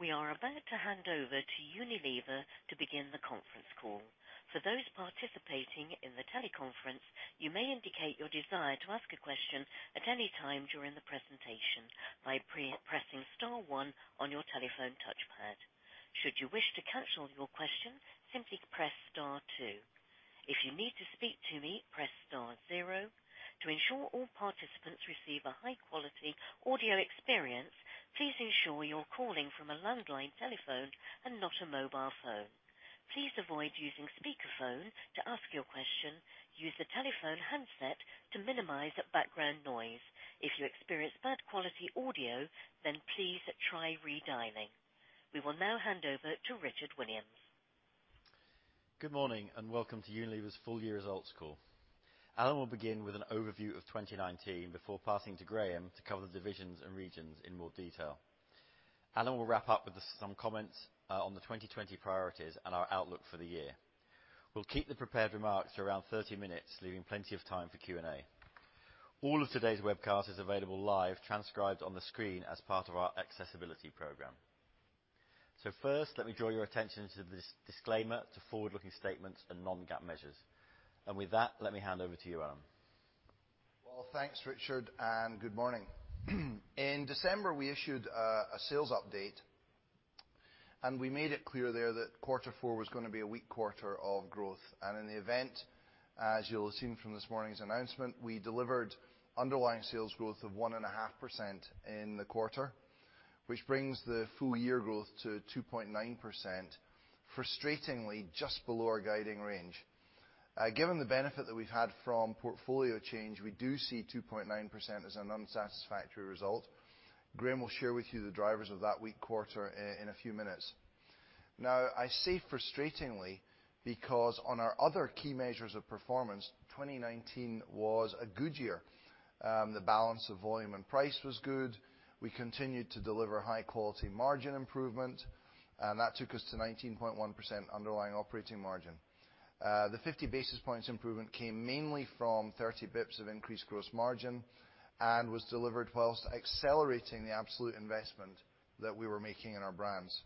We are about to hand over to Unilever to begin the conference call. For those participating in the teleconference, you may indicate your desire to ask a question at any time during the presentation by pressing star one on your telephone touchpad. Should you wish to cancel your question, simply press star two. If you need to speak to me, press star zero. To ensure all participants receive a high-quality audio experience, please ensure you're calling from a landline telephone and not a mobile phone. Please avoid using speakerphone to ask your question. Use a telephone handset to minimize background noise. If you experience bad quality audio, then please try redialing. We will now hand over to Richard Williams. Good morning, welcome to Unilever's full year results call. Alan will begin with an overview of 2019 before passing to Graeme to cover the divisions and regions in more detail. Alan will wrap up with some comments on the 2020 priorities and our outlook for the year. We'll keep the prepared remarks to around 30 minutes, leaving plenty of time for Q&A. All of today's webcast is available live, transcribed on the screen as part of our accessibility program. First, let me draw your attention to this disclaimer to forward-looking statements and non-GAAP measures. With that, let me hand over to you, Alan. Well, thanks, Richard, and good morning. In December, we issued a sales update, we made it clear there that quarter four was going to be a weak quarter of growth. In the event, as you'll have seen from this morning's announcement, we delivered underlying sales growth of 1.5% in the quarter, which brings the full year growth to 2.9%, frustratingly just below our guiding range. Given the benefit that we've had from portfolio change, we do see 2.9% as an unsatisfactory result. Graeme will share with you the drivers of that weak quarter in a few minutes. Now, I say frustratingly because on our other key measures of performance, 2019 was a good year. The balance of volume and price was good. We continued to deliver high-quality margin improvement, and that took us to 19.1% underlying operating margin. The 50 basis points improvement came mainly from 30 basis points of increased gross margin and was delivered whilst accelerating the absolute investment that we were making in our brands.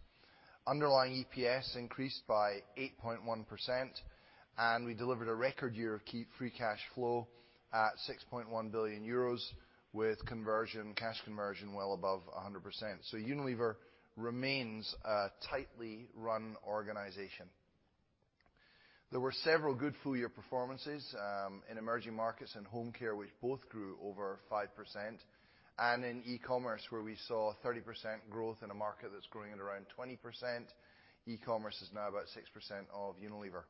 Underlying EPS increased by 8.1%, and we delivered a record year of free cash flow at 6.1 billion euros with cash conversion well above 100%. Unilever remains a tightly run organization. There were several good full-year performances in emerging markets and Home Care, which both grew over 5%, and in e-commerce, where we saw 30% growth in a market that's growing at around 20%. E-commerce is now about 6% of Unilever.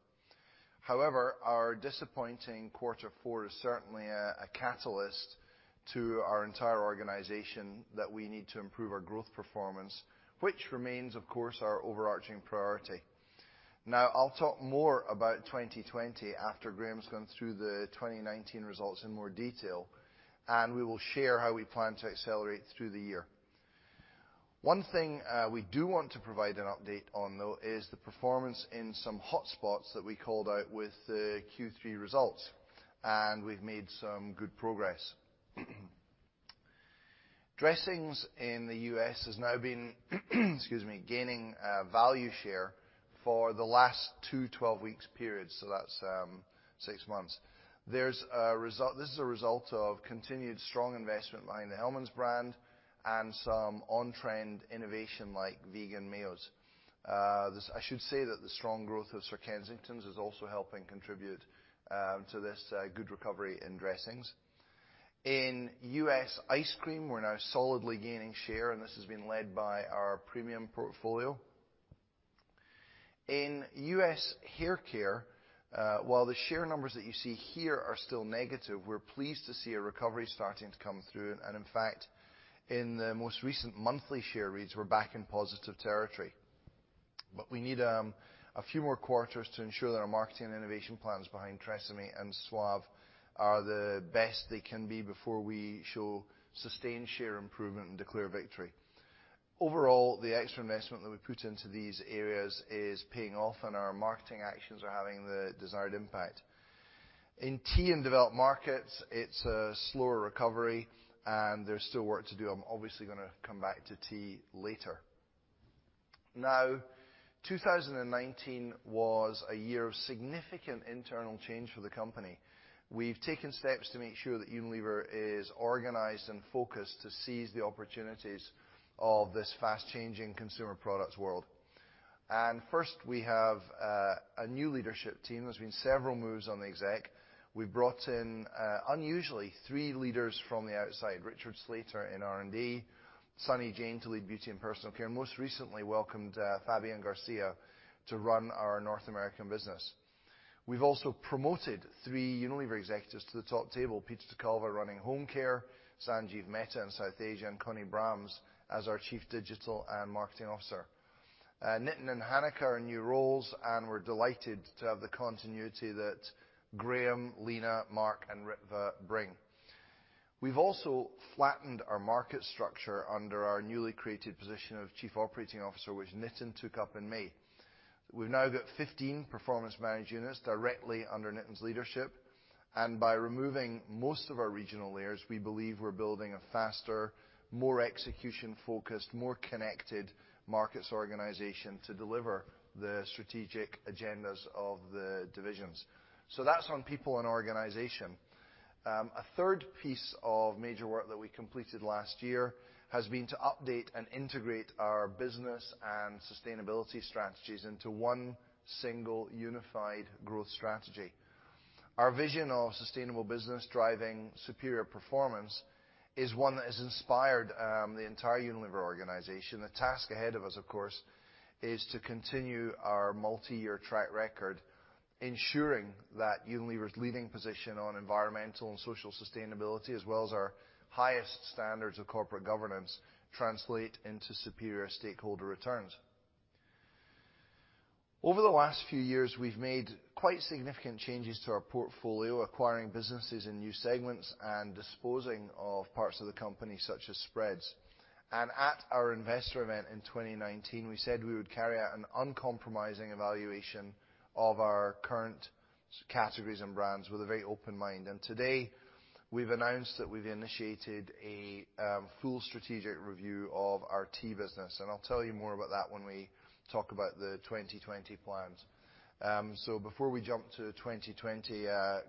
However, our disappointing quarter four is certainly a catalyst to our entire organization that we need to improve our growth performance, which remains, of course, our overarching priority. I'll talk more about 2020 after Graeme's gone through the 2019 results in more detail, and we will share how we plan to accelerate through the year. One thing we do want to provide an update on, though, is the performance in some hotspots that we called out with the Q3 results, and we've made some good progress. Dressings in the U.S. has now been, excuse me, gaining value share for the last two 12 weeks periods, so that's six months. This is a result of continued strong investment behind the Hellmann's brand and some on-trend innovation like vegan mayos. I should say that the strong growth of Sir Kensington's is also helping contribute to this good recovery in dressings. In U.S. ice cream, we're now solidly gaining share, and this has been led by our premium portfolio. In U.S. hair care, while the share numbers that you see here are still negative, we're pleased to see a recovery starting to come through. In fact, in the most recent monthly share reads, we're back in positive territory. We need a few more quarters to ensure that our marketing and innovation plans behind TRESemmé and Suave are the best they can be before we show sustained share improvement and declare victory. Overall, the extra investment that we put into these areas is paying off, and our marketing actions are having the desired impact. In tea in developed markets, it's a slower recovery, and there's still work to do. I'm obviously going to come back to tea later. Now, 2019 was a year of significant internal change for the company. We've taken steps to make sure that Unilever is organized and focused to seize the opportunities of this fast-changing consumer products world. First, we have a new leadership team. There's been several moves on the exec. We brought in, unusually, three leaders from the outside, Richard Slater in R&D, Sunny Jain to lead Beauty & Personal Care, and most recently welcomed Fabian Garcia to run our North American business. We've also promoted three Unilever executives to the top table, Peter ter Kulve running Home Care, Sanjiv Mehta in South Asia, and Conny Braams as our Chief Digital and Marketing Officer. Nitin and Hanneke are in new roles, and we're delighted to have the continuity that Graeme, Leena, Marc, and Ritva bring. We've also flattened our market structure under our newly created position of Chief Operating Officer, which Nitin took up in May. We've now got 15 performance managed units directly under Nitin's leadership, and by removing most of our regional layers, we believe we're building a faster, more execution-focused, more connected markets organization to deliver the strategic agendas of the divisions. That's on people and organization. A third piece of major work that we completed last year has been to update and integrate our business and sustainability strategies into one single unified growth strategy. Our vision of sustainable business driving superior performance is one that has inspired the entire Unilever organization. The task ahead of us, of course, is to continue our multi-year track record, ensuring that Unilever's leading position on environmental and social sustainability, as well as our highest standards of corporate governance, translate into superior stakeholder returns. Over the last few years, we've made quite significant changes to our portfolio, acquiring businesses in new segments and disposing of parts of the company such as spreads. At our investor event in 2019, we said we would carry out an uncompromising evaluation of our current categories and brands with a very open mind. Today, we've announced that we've initiated a full strategic review of our tea business, and I'll tell you more about that when we talk about the 2020 plans. Before we jump to 2020,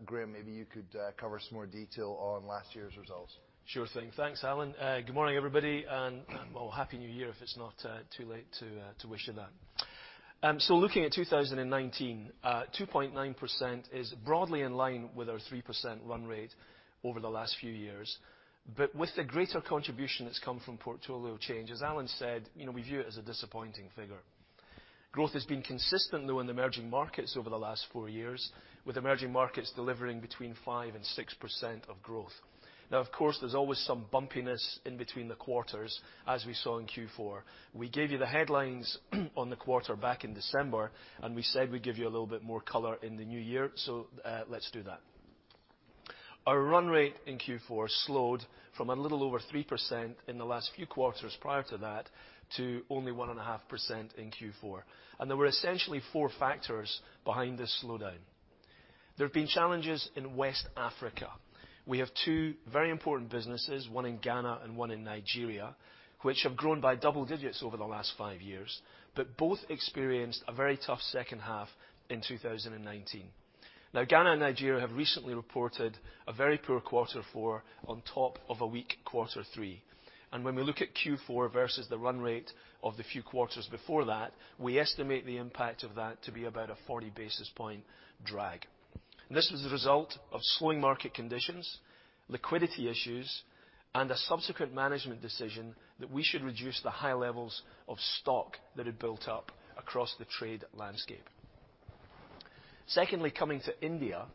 Graeme, maybe you could cover some more detail on last year's results. Sure thing. Thanks, Alan. Good morning, everybody, and well, Happy New Year if it's not too late to wish you that. Looking at 2019, 2.9% is broadly in line with our 3% run rate over the last few years, but with the greater contribution that's come from portfolio change. As Alan said, we view it as a disappointing figure. Growth has been consistent, though, in the emerging markets over the last four years, with emerging markets delivering between 5% and 6% of growth. Of course, there's always some bumpiness in between the quarters, as we saw in Q4. We gave you the headlines on the quarter back in December, and we said we'd give you a little bit more color in the new year. Let's do that. Our run rate in Q4 slowed from a little over 3% in the last few quarters prior to that to only 1.5% in Q4. There were essentially four factors behind this slowdown. There have been challenges in West Africa. We have two very important businesses, one in Ghana and one in Nigeria, which have grown by double digits over the last five years, but both experienced a very tough second half in 2019. Now Ghana and Nigeria have recently reported a very poor quarter four on top of a weak quarter three. When we look at Q4 versus the run rate of the few quarters before that, we estimate the impact of that to be about a 40 basis point drag. This is the result of slowing market conditions, liquidity issues, and a subsequent management decision that we should reduce the high levels of stock that had built up across the trade landscape. Secondly, coming to India,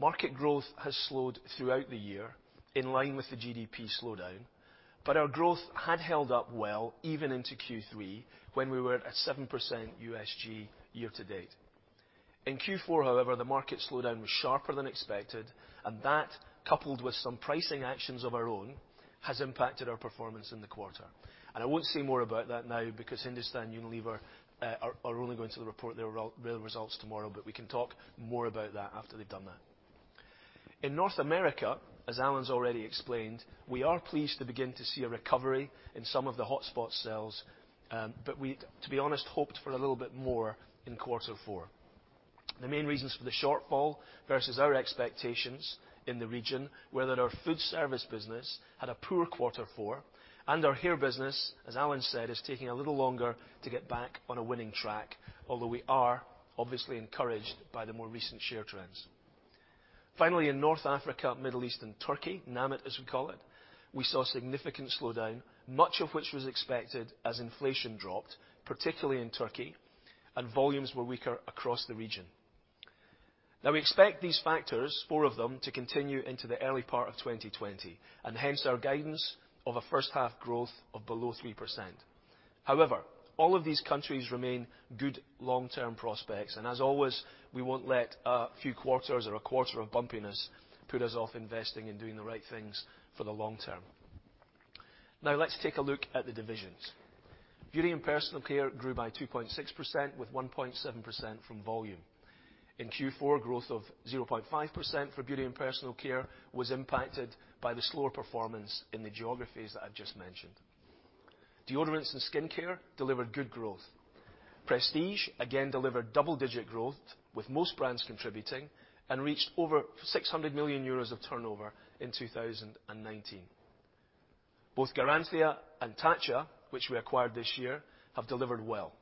market growth has slowed throughout the year in line with the GDP slowdown, but our growth had held up well even into Q3 when we were at 7% USG year-to-date. In Q4, however, the market slowdown was sharper than expected, that coupled with some pricing actions of our own has impacted our performance in the quarter. I won't say more about that now because Hindustan Unilever are only going to report their real results tomorrow, we can talk more about that after they've done that. In North America, as Alan's already explained, we are pleased to begin to see a recovery in some of the hotspot sales. We, to be honest, hoped for a little bit more in quarter four. The main reasons for the shortfall versus our expectations in the region were that our food service business had a poor quarter four, and our hair business, as Alan said, is taking a little longer to get back on a winning track, although we are obviously encouraged by the more recent share trends. Finally, in North Africa, Middle East, and Turkey, NAMET as we call it, we saw significant slowdown, much of which was expected as inflation dropped, particularly in Turkey, and volumes were weaker across the region. We expect these factors, four of them, to continue into the early part of 2020, and hence our guidance of a first half growth of below 3%. However, all of these countries remain good long-term prospects, and as always, we won't let a few quarters or a quarter of bumpiness put us off investing and doing the right things for the long term. Now let's take a look at the divisions. Beauty & Personal Care grew by 2.6% with 1.7% from volume. In Q4, growth of 0.5% for Beauty & Personal Care was impacted by the slower performance in the geographies that I've just mentioned. Deodorants and skincare delivered good growth. Prestige again delivered double-digit growth with most brands contributing and reached over 600 million euros of turnover in 2019. Both Garancia and Tatcha, which we acquired this year, have delivered well.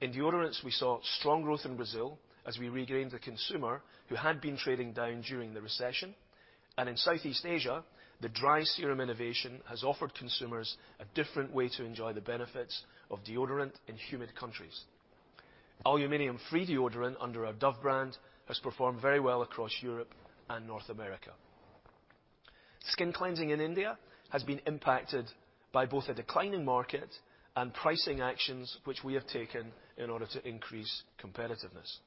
In deodorants, we saw strong growth in Brazil as we regained the consumer who had been trading down during the recession. In Southeast Asia, the dry serum innovation has offered consumers a different way to enjoy the benefits of deodorant in humid countries. Aluminum-free deodorant under our Dove brand has performed very well across Europe and North America. Skin cleansing in India has been impacted by both a declining market and pricing actions which we have taken in order to increase competitiveness.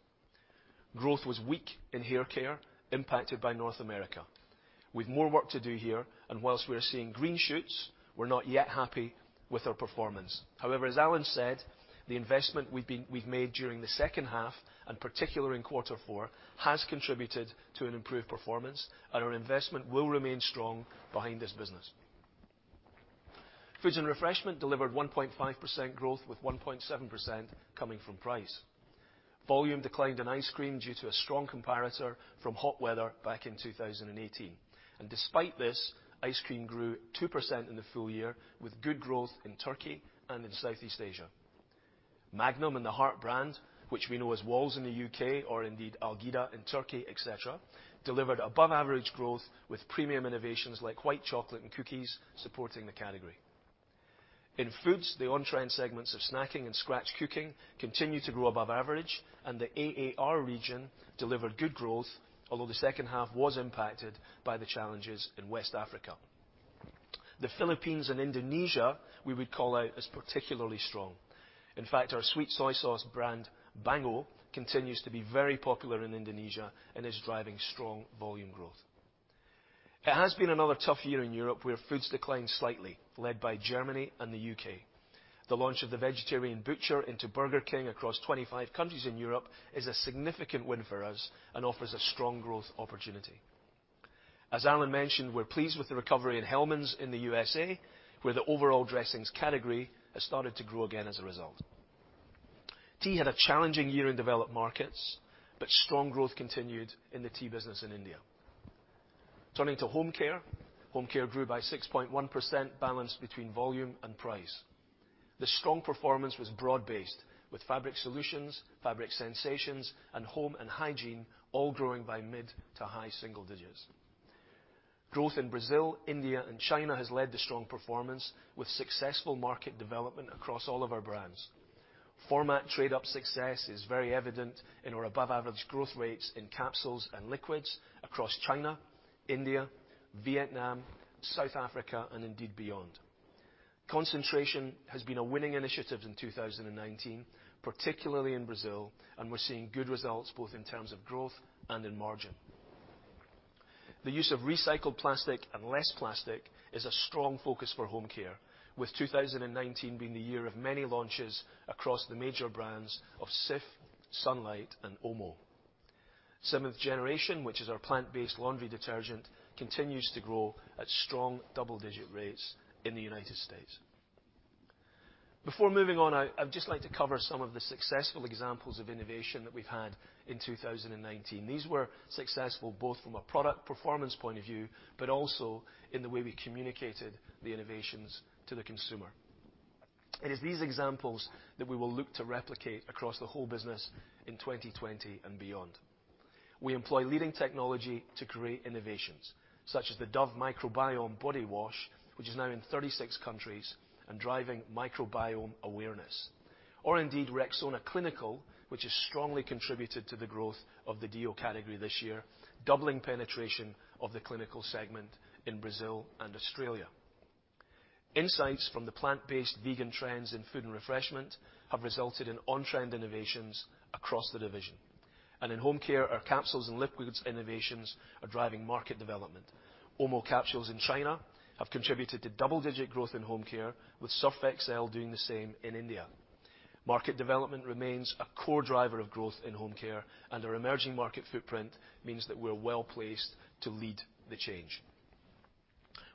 Growth was weak in hair care impacted by North America. We've more work to do here, and while we are seeing green shoots, we're not yet happy with our performance. However, as Alan said, the investment we've made during the second half, and particularly in Q4, has contributed to an improved performance, and our investment will remain strong behind this business. Foods & Refreshment delivered 1.5% growth, with 1.7% coming from price. Volume declined in ice cream due to a strong comparator from hot weather back in 2018. Despite this, ice cream grew 2% in the full year, with good growth in Turkey and in Southeast Asia. Magnum and the Heartbrand, which we know as Wall's in the U.K., or indeed Algida in Turkey, et cetera, delivered above average growth with premium innovations like white chocolate and cookies supporting the category. In foods, the on-trend segments of snacking and scratch cooking continue to grow above average, and the AAR region delivered good growth, although the second half was impacted by the challenges in West Africa. The Philippines and Indonesia, we would call out as particularly strong. In fact, our sweet soy sauce brand, Bango, continues to be very popular in Indonesia and is driving strong volume growth. It has been another tough year in Europe, where foods declined slightly, led by Germany and the U.K. The launch of The Vegetarian Butcher into Burger King across 25 countries in Europe is a significant win for us and offers a strong growth opportunity. As Alan mentioned, we're pleased with the recovery in Hellmann's in the U.S.A., where the overall dressings category has started to grow again as a result. Tea had a challenging year in developed markets, but strong growth continued in the tea business in India. Turning to Home Care, Home Care grew by 6.1%, balanced between volume and price. The strong performance was broad based with fabric solutions, fabric sensations, and Home and hygiene all growing by mid to high single digits. Growth in Brazil, India, and China has led to strong performance with successful market development across all of our brands. Format trade up success is very evident in our above-average growth rates in capsules and liquids across China, India, Vietnam, South Africa, and indeed beyond. Concentration has been a winning initiative in 2019, particularly in Brazil, and we're seeing good results both in terms of growth and in margin. The use of recycled plastic and less plastic is a strong focus for Home Care, with 2019 being the year of many launches across the major brands of Cif, Sunlight, and Omo. Seventh Generation, which is our plant-based laundry detergent, continues to grow at strong double-digit rates in the United States. Before moving on, I'd just like to cover some of the successful examples of innovation that we've had in 2019. These were successful both from a product performance point of view, but also in the way we communicated the innovations to the consumer. It is these examples that we will look to replicate across the whole business in 2020 and beyond. We employ leading technology to create innovations such as the Dove Microbiome Body Wash, which is now in 36 countries and driving microbiome awareness. Indeed Rexona Clinical, which has strongly contributed to the growth of the deo category this year, doubling penetration of the clinical segment in Brazil and Australia. Insights from the plant-based vegan trends in Food & Refreshment have resulted in on-trend innovations across the division. In Home Care, our capsules and liquids innovations are driving market development. Omo capsules in China have contributed to double-digit growth in Home Care, with Surf Excel doing the same in India. Market development remains a core driver of growth in Home Care, and our emerging market footprint means that we're well-placed to lead the change.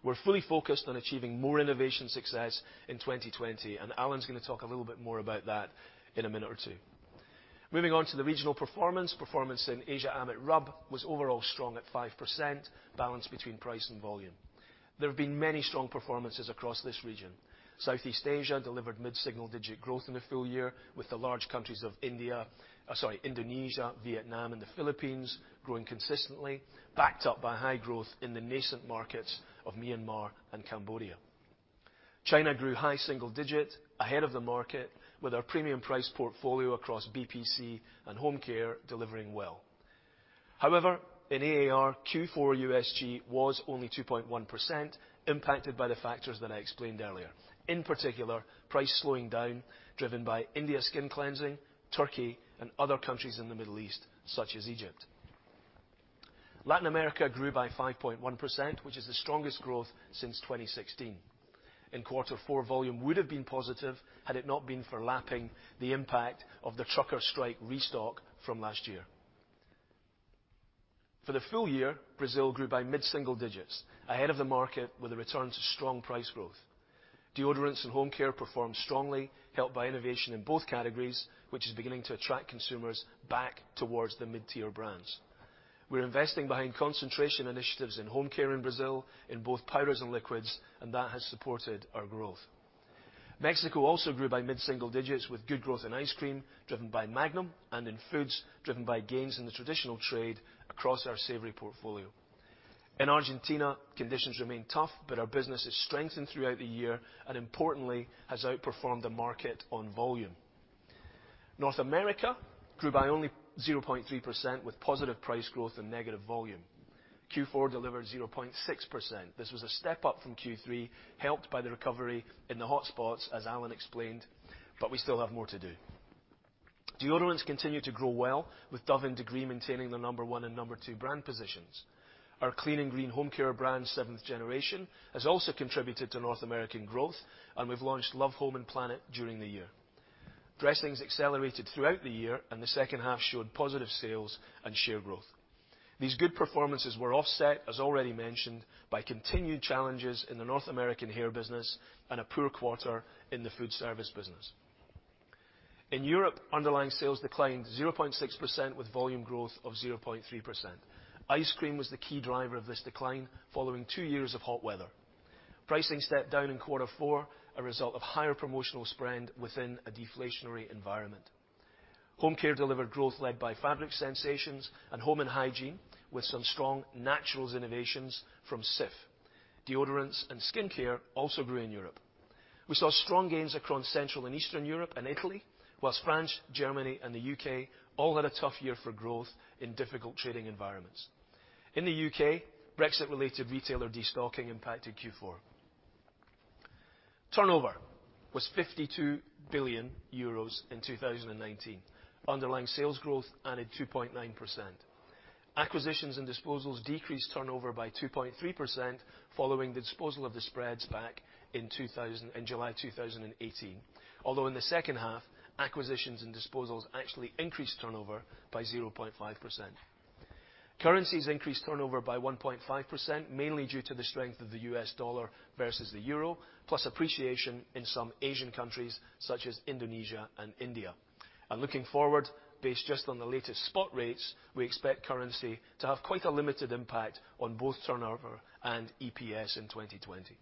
We're fully focused on achieving more innovation success in 2020. Alan's going to talk a little bit more about that in a minute or two. Moving on to the regional performance in Asia/AMET/RUB was overall strong at 5%, balanced between price and volume. There have been many strong performances across this region. Southeast Asia delivered mid-single digit growth in the full year with the large countries of Indonesia, Vietnam, and the Philippines growing consistently, backed up by high growth in the nascent markets of Myanmar and Cambodia. China grew high single digit ahead of the market with our premium price portfolio across BPC and Home Care delivering well. However, in AAR, Q4 USG was only 2.1%, impacted by the factors that I explained earlier. In particular, price slowing down, driven by India skin cleansing, Turkey, and other countries in the Middle East, such as Egypt. Latin America grew by 5.1%, which is the strongest growth since 2016. In quarter four, volume would have been positive had it not been for lapping the impact of the trucker strike restock from last year. For the full year, Brazil grew by mid-single digits, ahead of the market with a return to strong price growth. Deodorants and Home Care performed strongly, helped by innovation in both categories, which is beginning to attract consumers back towards the mid-tier brands. We're investing behind concentration initiatives in Home Care in Brazil in both powders and liquids, and that has supported our growth. Mexico also grew by mid-single digits with good growth in ice cream driven by Magnum and in foods driven by gains in the traditional trade across our savory portfolio. In Argentina, conditions remain tough, but our business has strengthened throughout the year and importantly has outperformed the market on volume. North America grew by only 0.3% with positive price growth and negative volume. Q4 delivered 0.6%. This was a step up from Q3, helped by the recovery in the hot spots, as Alan explained, but we still have more to do. Deodorants continue to grow well with Dove and Degree maintaining the number one and number two brand positions. Our clean and green Home Care brand, Seventh Generation, has also contributed to North American growth, and we've launched Love Home & Planet during the year. Dressings accelerated throughout the year, and the second half showed positive sales and share growth. These good performances were offset, as already mentioned, by continued challenges in the North American hair business and a poor quarter in the food service business. In Europe, underlying sales declined 0.6% with volume growth of 0.3%. Ice cream was the key driver of this decline following two years of hot weather. Pricing stepped down in quarter four, a result of higher promotional spend within a deflationary environment. Home Care delivered growth led by fabric sensations and home and hygiene, with some strong naturals innovations from Cif. Deodorants and skincare also grew in Europe. We saw strong gains across Central and Eastern Europe and Italy, whilst France, Germany, and the U.K. all had a tough year for growth in difficult trading environments. In the U.K., Brexit-related retailer destocking impacted Q4. Turnover was 52 billion euros in 2019. Underlying sales growth added 2.9%. Acquisitions and disposals decreased turnover by 2.3% following the disposal of the spreads back in July 2018. Although in the second half, acquisitions and disposals actually increased turnover by 0.5%. Currencies increased turnover by 1.5%, mainly due to the strength of the U.S. dollar versus the euro, plus appreciation in some Asian countries such as Indonesia and India. Looking forward, based just on the latest spot rates, we expect currency to have quite a limited impact on both turnover and EPS in 2020.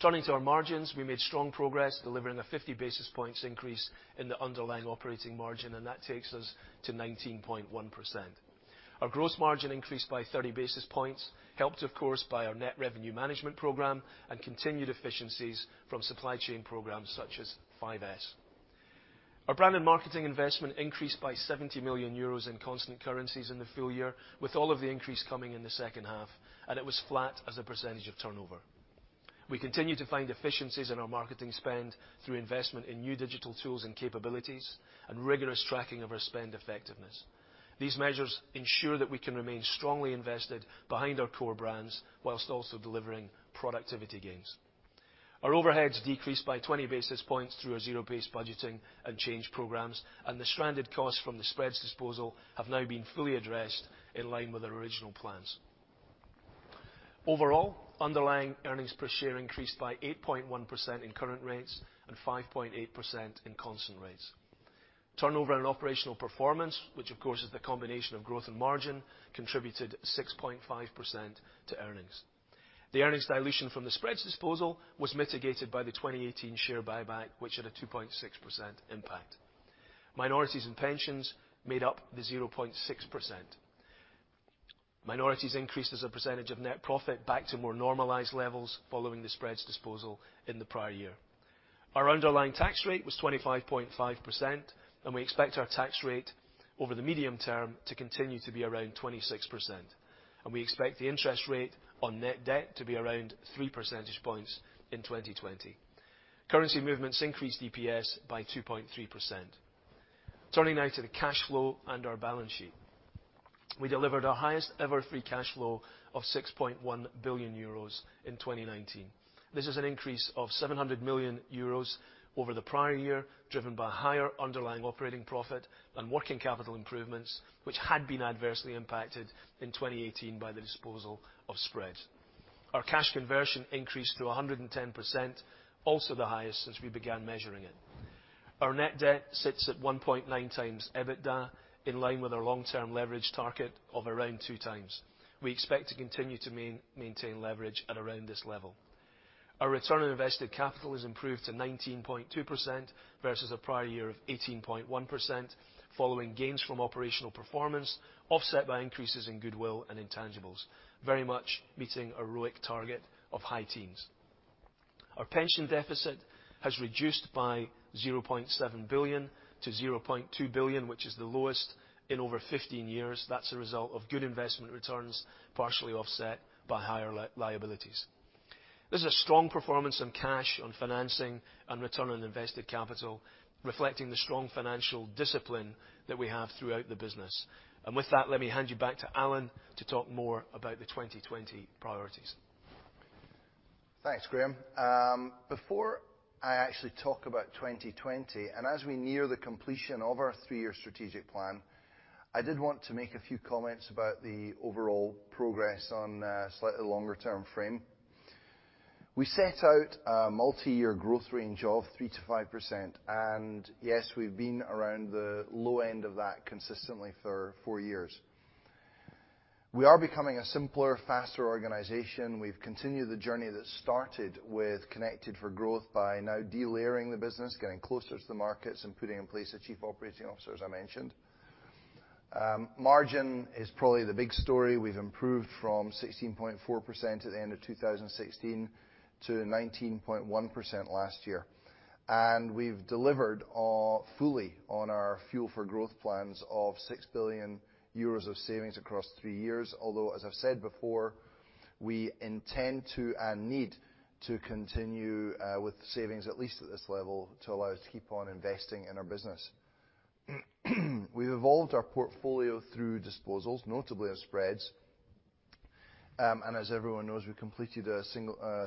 Turning to our margins, we made strong progress delivering a 50 basis points increase in the underlying operating margin, and that takes us to 19.1%. Our gross margin increased by 30 basis points, helped of course by our net revenue management program and continued efficiencies from supply chain programs such as 5S. Our brand and marketing investment increased by 70 million euros in constant currencies in the full year, with all of the increase coming in the second half, and it was flat as a percentage of turnover. We continue to find efficiencies in our marketing spend through investment in new digital tools and capabilities and rigorous tracking of our spend effectiveness. These measures ensure that we can remain strongly invested behind our core brands whilst also delivering productivity gains. Our overheads decreased by 20 basis points through our zero-based budgeting and change programs, and the stranded costs from the spreads disposal have now been fully addressed in line with our original plans. Overall, underlying earnings per share increased by 8.1% in current rates and 5.8% in constant rates. Turnover and operational performance, which of course is the combination of growth and margin, contributed 6.5% to earnings. The earnings dilution from the spreads disposal was mitigated by the 2018 share buyback, which had a 2.6% impact. Minorities and pensions made up the 0.6%. Minorities increased as a percentage of net profit back to more normalized levels following the spreads disposal in the prior year. Our underlying tax rate was 25.5%, and we expect our tax rate over the medium term to continue to be around 26%, and we expect the interest rate on net debt to be around 3 percentage points in 2020. Currency movements increased EPS by 2.3%. Turning now to the cash flow and our balance sheet. We delivered our highest ever free cash flow of 6.1 billion euros in 2019. This is an increase of 700 million euros over the prior year, driven by higher underlying operating profit and working capital improvements, which had been adversely impacted in 2018 by the disposal of spreads. Our cash conversion increased to 110%, also the highest since we began measuring it. Our net debt sits at 1.9x EBITDA, in line with our long-term leverage target of around 2x. We expect to continue to maintain leverage at around this level. Our return on invested capital has improved to 19.2% versus a prior year of 18.1% following gains from operational performance offset by increases in goodwill and intangibles, very much meeting a ROIC target of high teens. Our pension deficit has reduced by 0.7 billion to 0.2 billion, which is the lowest in over 15 years. That's a result of good investment returns, partially offset by higher liabilities. This is a strong performance on cash, on financing, and return on invested capital, reflecting the strong financial discipline that we have throughout the business. With that, let me hand you back to Alan to talk more about the 2020 priorities. Thanks, Graeme. Before I actually talk about 2020, and as we near the completion of our three-year strategic plan, I did want to make a few comments about the overall progress on a slightly longer term frame. We set out a multi-year growth range of 3%-5%, and yes, we've been around the low end of that consistently for four years. We are becoming a simpler, faster organization. We've continued the journey that started with Connected 4 Growth by now de-layering the business, getting closer to the markets, and putting in place a Chief Operating Officer, as I mentioned. Margin is probably the big story. We've improved from 16.4% at the end of 2016 to 19.1% last year. We've delivered fully on our Fuel for Growth plans of 6 billion euros of savings across three years. Although, as I've said before, we intend to and need to continue with savings, at least at this level, to allow us to keep on investing in our business. We've evolved our portfolio through disposals, notably of spreads. As everyone knows, we completed a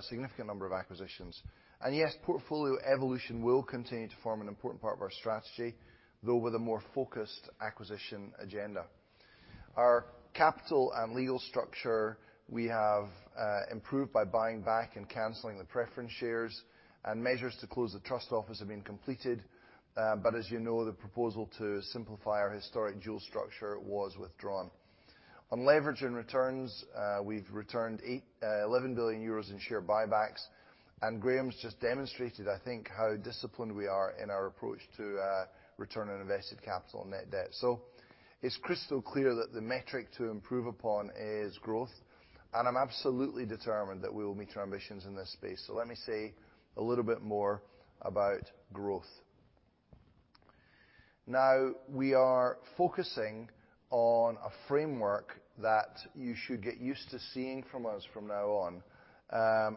significant number of acquisitions. Yes, portfolio evolution will continue to form an important part of our strategy, though with a more focused acquisition agenda. Our capital and legal structure, we have improved by buying back and canceling the preference shares, and measures to close the trust office have been completed. As you know, the proposal to simplify our historic dual structure was withdrawn. On leverage and returns, we've returned 11 billion euros in share buybacks, and Graeme's just demonstrated, I think, how disciplined we are in our approach to return on invested capital and net debt. It's crystal clear that the metric to improve upon is growth, and I'm absolutely determined that we will meet our ambitions in this space. Let me say a little bit more about growth. Now we are focusing on a framework that you should get used to seeing from us from now on.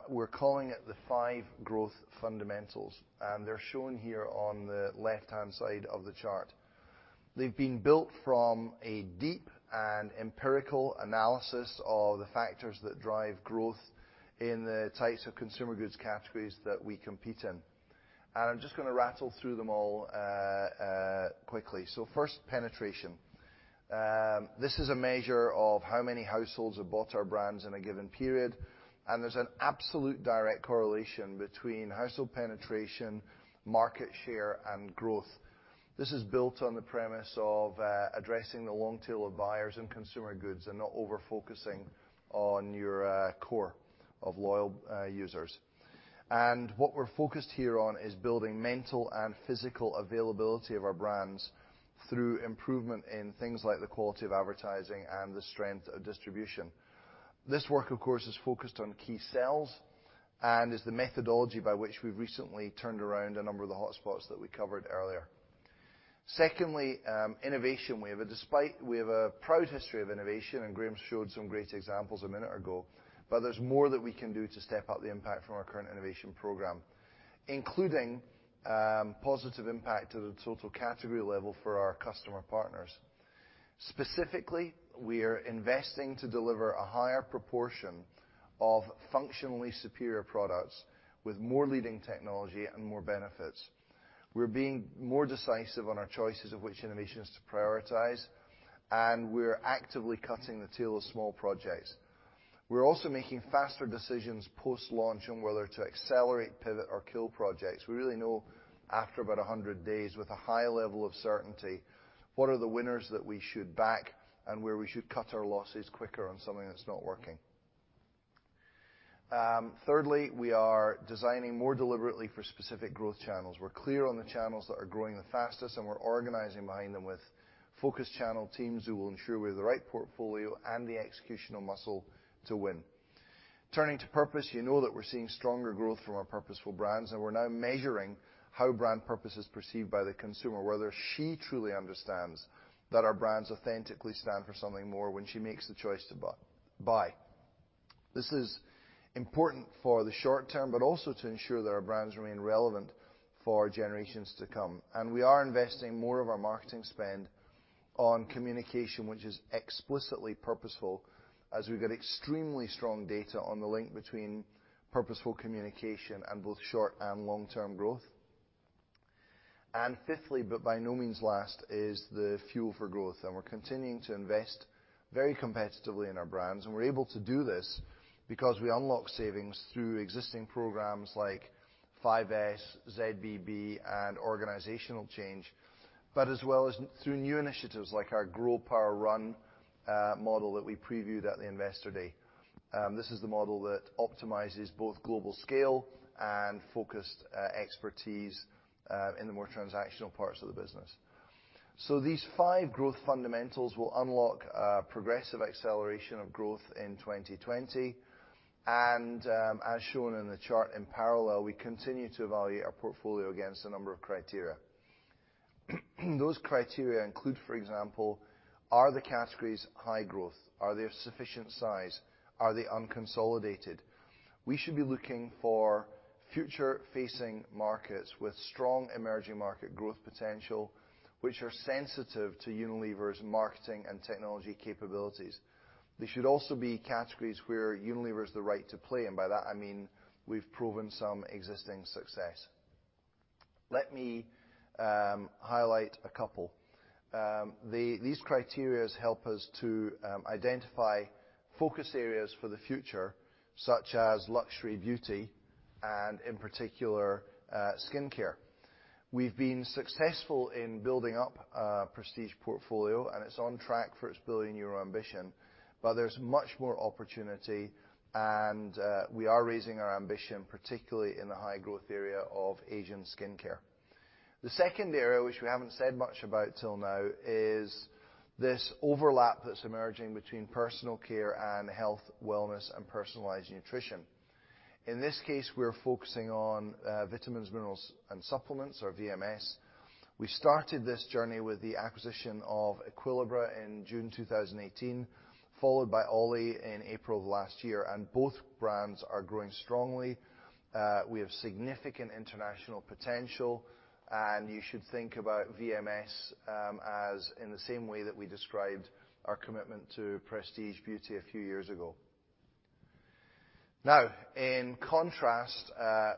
We're calling it the Five Growth Fundamentals, and they're shown here on the left-hand side of the chart. They've been built from a deep and empirical analysis of the factors that drive growth in the types of consumer goods categories that we compete in. I'm just going to rattle through them all quickly. First, penetration. This is a measure of how many households have bought our brands in a given period, and there's an absolute direct correlation between household penetration, market share, and growth. This is built on the premise of addressing the long tail of buyers and consumer goods and not over-focusing on your core of loyal users. What we're focused here on is building mental and physical availability of our brands through improvement in things like the quality of advertising and the strength of distribution. This work, of course, is focused on key sales and is the methodology by which we've recently turned around a number of the hot spots that we covered earlier. Secondly, innovation. We have a proud history of innovation, and Graeme showed some great examples a minute ago, but there's more that we can do to step up the impact from our current innovation program, including positive impact to the total category level for our customer partners. Specifically, we are investing to deliver a higher proportion of functionally superior products with more leading technology and more benefits. We're being more decisive on our choices of which innovations to prioritize, and we're actively cutting the tail of small projects. We're also making faster decisions post-launch on whether to accelerate, pivot, or kill projects. We really know after about 100 days with a high level of certainty, what are the winners that we should back and where we should cut our losses quicker on something that's not working. Thirdly, we are designing more deliberately for specific growth channels. We're clear on the channels that are growing the fastest, and we're organizing behind them with focus channel teams who will ensure we have the right portfolio and the executional muscle to win. Turning to purpose, you know that we're seeing stronger growth from our purposeful brands, and we're now measuring how brand purpose is perceived by the consumer, whether she truly understands that our brands authentically stand for something more when she makes the choice to buy. This is important for the short-term, but also to ensure that our brands remain relevant for generations to come. We are investing more of our marketing spend on communication, which is explicitly purposeful as we get extremely strong data on the link between purposeful communication and both short- and long-term growth. Fifthly, but by no means last, is the Fuel for Growth. We're continuing to invest very competitively in our brands, and we're able to do this because we unlock savings through existing programs like 5S, ZBB, and organizational change, but as well as through new initiatives like our Grow, Power, Run model that we previewed at the Investor Day. This is the model that optimizes both global scale and focused expertise in the more transactional parts of the business. These Five Growth Fundamentals will unlock a progressive acceleration of growth in 2020. As shown in the chart in parallel, we continue to evaluate our portfolio against a number of criteria. Those criteria include, for example, are the categories high growth? Are they of sufficient size? Are they unconsolidated? We should be looking for future-facing markets with strong emerging market growth potential, which are sensitive to Unilever's marketing and technology capabilities. They should also be categories where Unilever has the right to play. By that I mean we've proven some existing success. Let me highlight a couple. These criteria help us to identify focus areas for the future, such as luxury beauty and in particular, skincare. We've been successful in building up a prestige portfolio, and it's on track for its billion-euro ambition, but there's much more opportunity, and we are raising our ambition, particularly in the high growth area of Asian skincare. The second area, which we haven't said much about till now, is this overlap that's emerging between personal care and health, wellness, and personalized nutrition. In this case, we're focusing on vitamins, minerals, and supplements, or VMS. We started this journey with the acquisition of Equilibra in June 2018, followed by OLLY in April of last year, and both brands are growing strongly. We have significant international potential. You should think about VMS in the same way that we described our commitment to prestige beauty a few years ago. Now, in contrast,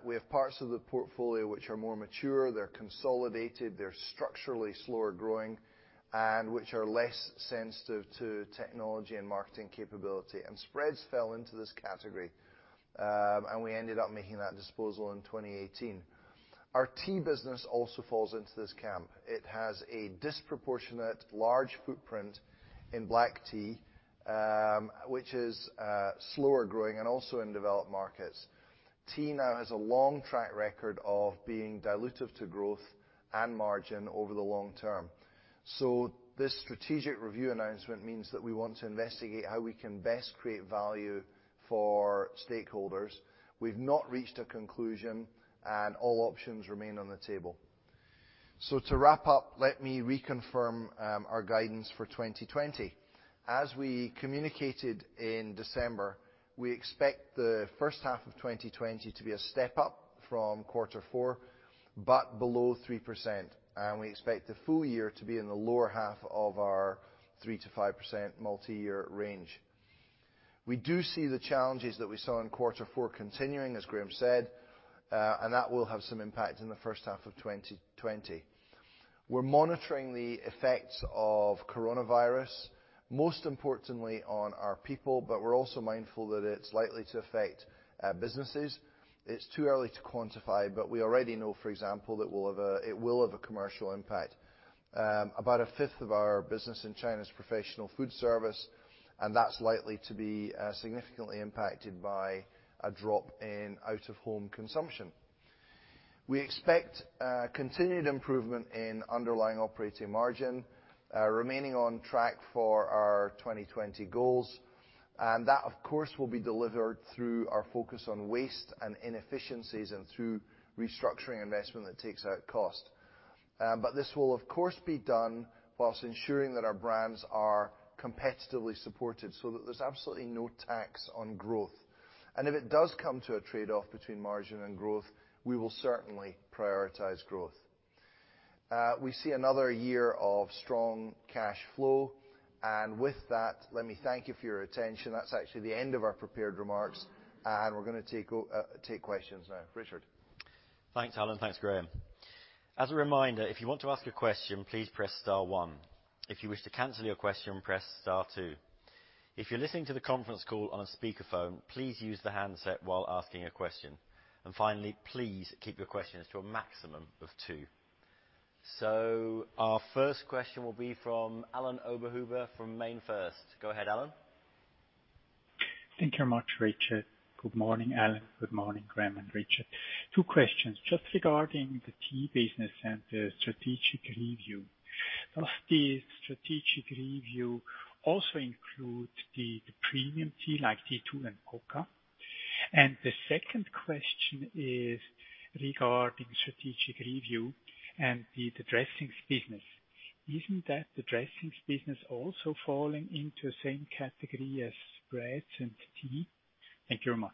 we have parts of the portfolio which are more mature, they're consolidated, they're structurally slower growing, and which are less sensitive to technology and marketing capability. Spreads fell into this category, and we ended up making that disposal in 2018. Our tea business also falls into this camp. It has a disproportionate large footprint in black tea, which is slower growing and also in developed markets. Tea now has a long track record of being dilutive to growth and margin over the long term. This strategic review announcement means that we want to investigate how we can best create value for stakeholders. We've not reached a conclusion. All options remain on the table. To wrap up, let me reconfirm our guidance for 2020. As we communicated in December, we expect the first half of 2020 to be a step up from quarter four, but below 3%, and we expect the full year to be in the lower half of our 3%-5% multi-year range. We do see the challenges that we saw in quarter four continuing, as Graeme said, and that will have some impact in the first half of 2020. We're monitoring the effects of coronavirus, most importantly on our people, but we're also mindful that it's likely to affect businesses. It's too early to quantify, but we already know, for example, that it will have a commercial impact. About 1/5 of our business in China is professional food service, and that's likely to be significantly impacted by a drop in out-of-home consumption. We expect continued improvement in underlying operating margin, remaining on track for our 2020 goals. That, of course, will be delivered through our focus on waste and inefficiencies and through restructuring investment that takes out cost. This will, of course, be done whilst ensuring that our brands are competitively supported so that there's absolutely no tax on growth. If it does come to a trade-off between margin and growth, we will certainly prioritize growth. We see another year of strong cash flow. With that, let me thank you for your attention. That's actually the end of our prepared remarks, and we're going to take questions now. Richard? Thanks, Alan. Thanks, Graeme. As a reminder, if you want to ask a question, please press star one. If you wish to cancel your question, press star two. If you're listening to the conference call on a speakerphone, please use the handset while asking a question. Finally, please keep your questions to a maximum of two. Our first question will be from Alain Oberhuber from MainFirst. Go ahead, Alain. Thank you much, Richard. Good morning, Alan. Good morning, Graeme and Richard. Two questions. Just regarding the tea business and the strategic review. Does the strategic review also include the premium tea like T2 and Pukka? The second question is regarding strategic review and the dressings business. Isn't that, the dressings business, also falling into the same category as spreads and tea? Thank you very much.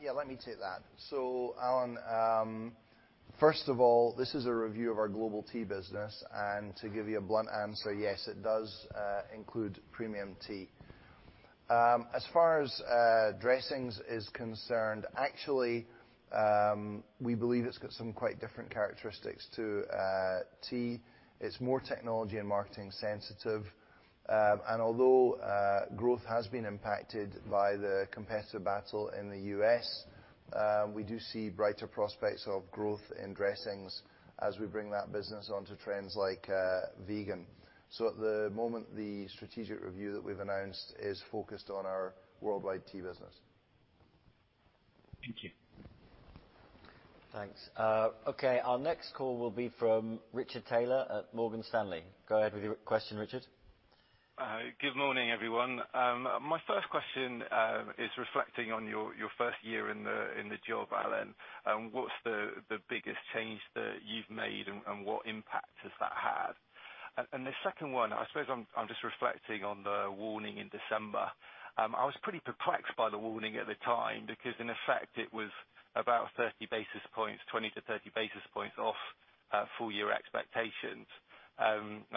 Yeah, let me take that. Alain, first of all, this is a review of our global tea business, and to give you a blunt answer, yes, it does include premium tea. As far as dressings is concerned, actually, we believe it's got some quite different characteristics to tea. It's more technology and marketing sensitive. Although growth has been impacted by the competitive battle in the U.S., we do see brighter prospects of growth in dressings as we bring that business onto trends like vegan. At the moment, the strategic review that we've announced is focused on our worldwide tea business. Thank you. Thanks. Okay, our next call will be from Richard Taylor at Morgan Stanley. Go ahead with your question, Richard. Good morning, everyone. My first question is reflecting on your first year in the job, Alan. What's the biggest change that you've made, and what impact has that had? The second one, I suppose I'm just reflecting on the warning in December. I was pretty perplexed by the warning at the time because in effect it was about 30 basis points, 20 basis points-30 basis points off full year expectations.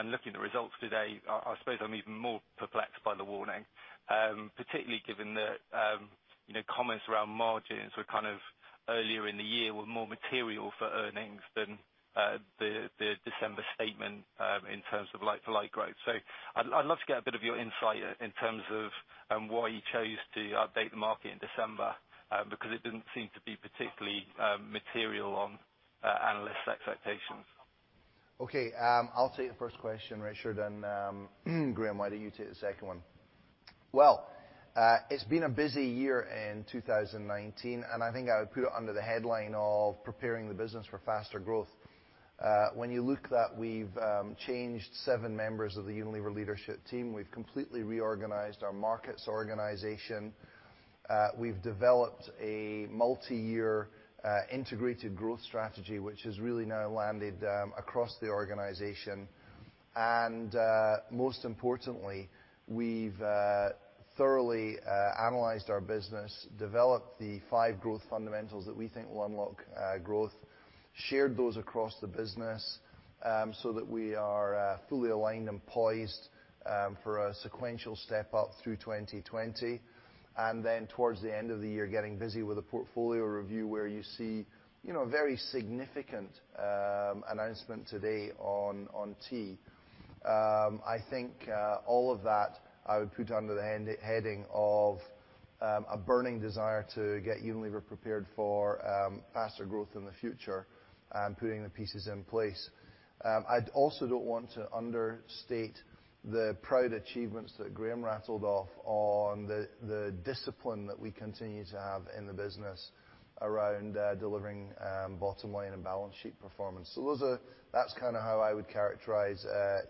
Looking at the results today, I suppose I'm even more perplexed by the warning, particularly given the comments around margins were kind of earlier in the year were more material for earnings than the December statement in terms of like-to-like growth. I'd love to get a bit of your insight in terms of why you chose to update the market in December, because it didn't seem to be particularly material on analysts' expectations. Okay. I'll take the first question, Richard, and Graeme, why don't you take the second one? Well, it's been a busy year in 2019, and I think I would put it under the headline of preparing the business for faster growth. When you look that we've changed seven members of the Unilever leadership team, we've completely reorganized our markets organization, we've developed a multi-year integrated growth strategy, which has really now landed across the organization. Most importantly, we've thoroughly analyzed our business, developed the Five Growth Fundamentals that we think will unlock growth, shared those across the business, so that we are fully aligned and poised for a sequential step up through 2020. Towards the end of the year, getting busy with a portfolio review where you see a very significant announcement today on tea. I think, all of that I would put under the heading of a burning desire to get Unilever prepared for faster growth in the future and putting the pieces in place. I also don't want to understate the proud achievements that Graeme rattled off on the discipline that we continue to have in the business around delivering bottom line and balance sheet performance. That's how I would characterize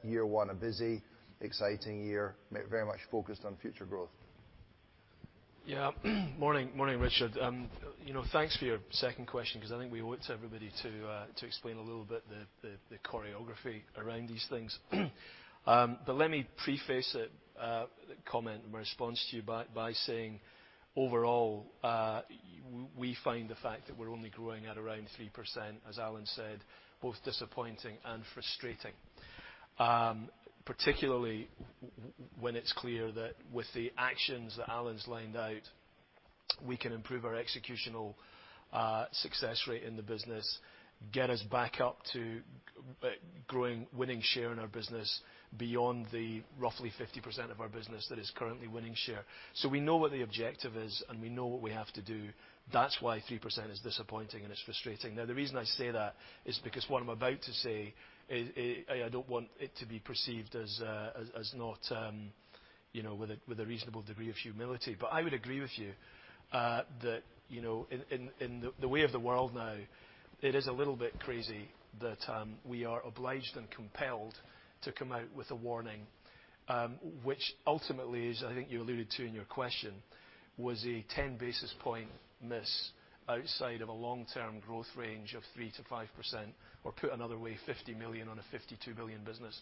year one, a busy, exciting year, very much focused on future growth. Morning, Richard. Thanks for your second question because I think we owe it to everybody to explain a little bit the choreography around these things. Let me preface it, comment in response to you by saying, overall, we find the fact that we're only growing at around 3%, as Alan said, both disappointing and frustrating. Particularly, when it's clear that with the actions that Alan's lined out, we can improve our executional success rate in the business, get us back up to growing, winning share in our business beyond the roughly 50% of our business that is currently winning share. We know what the objective is, and we know what we have to do. That's why 3% is disappointing and it's frustrating. The reason I say that is because what I'm about to say, I don't want it to be perceived as not with a reasonable degree of humility. I would agree with you, that in the way of the world now, it is a little bit crazy that we are obliged and compelled to come out with a warning, which ultimately is, I think you alluded to in your question, was a 10 basis point miss outside of a long-term growth range of 3%-5%, or put another way, 50 million on a 52 billion business.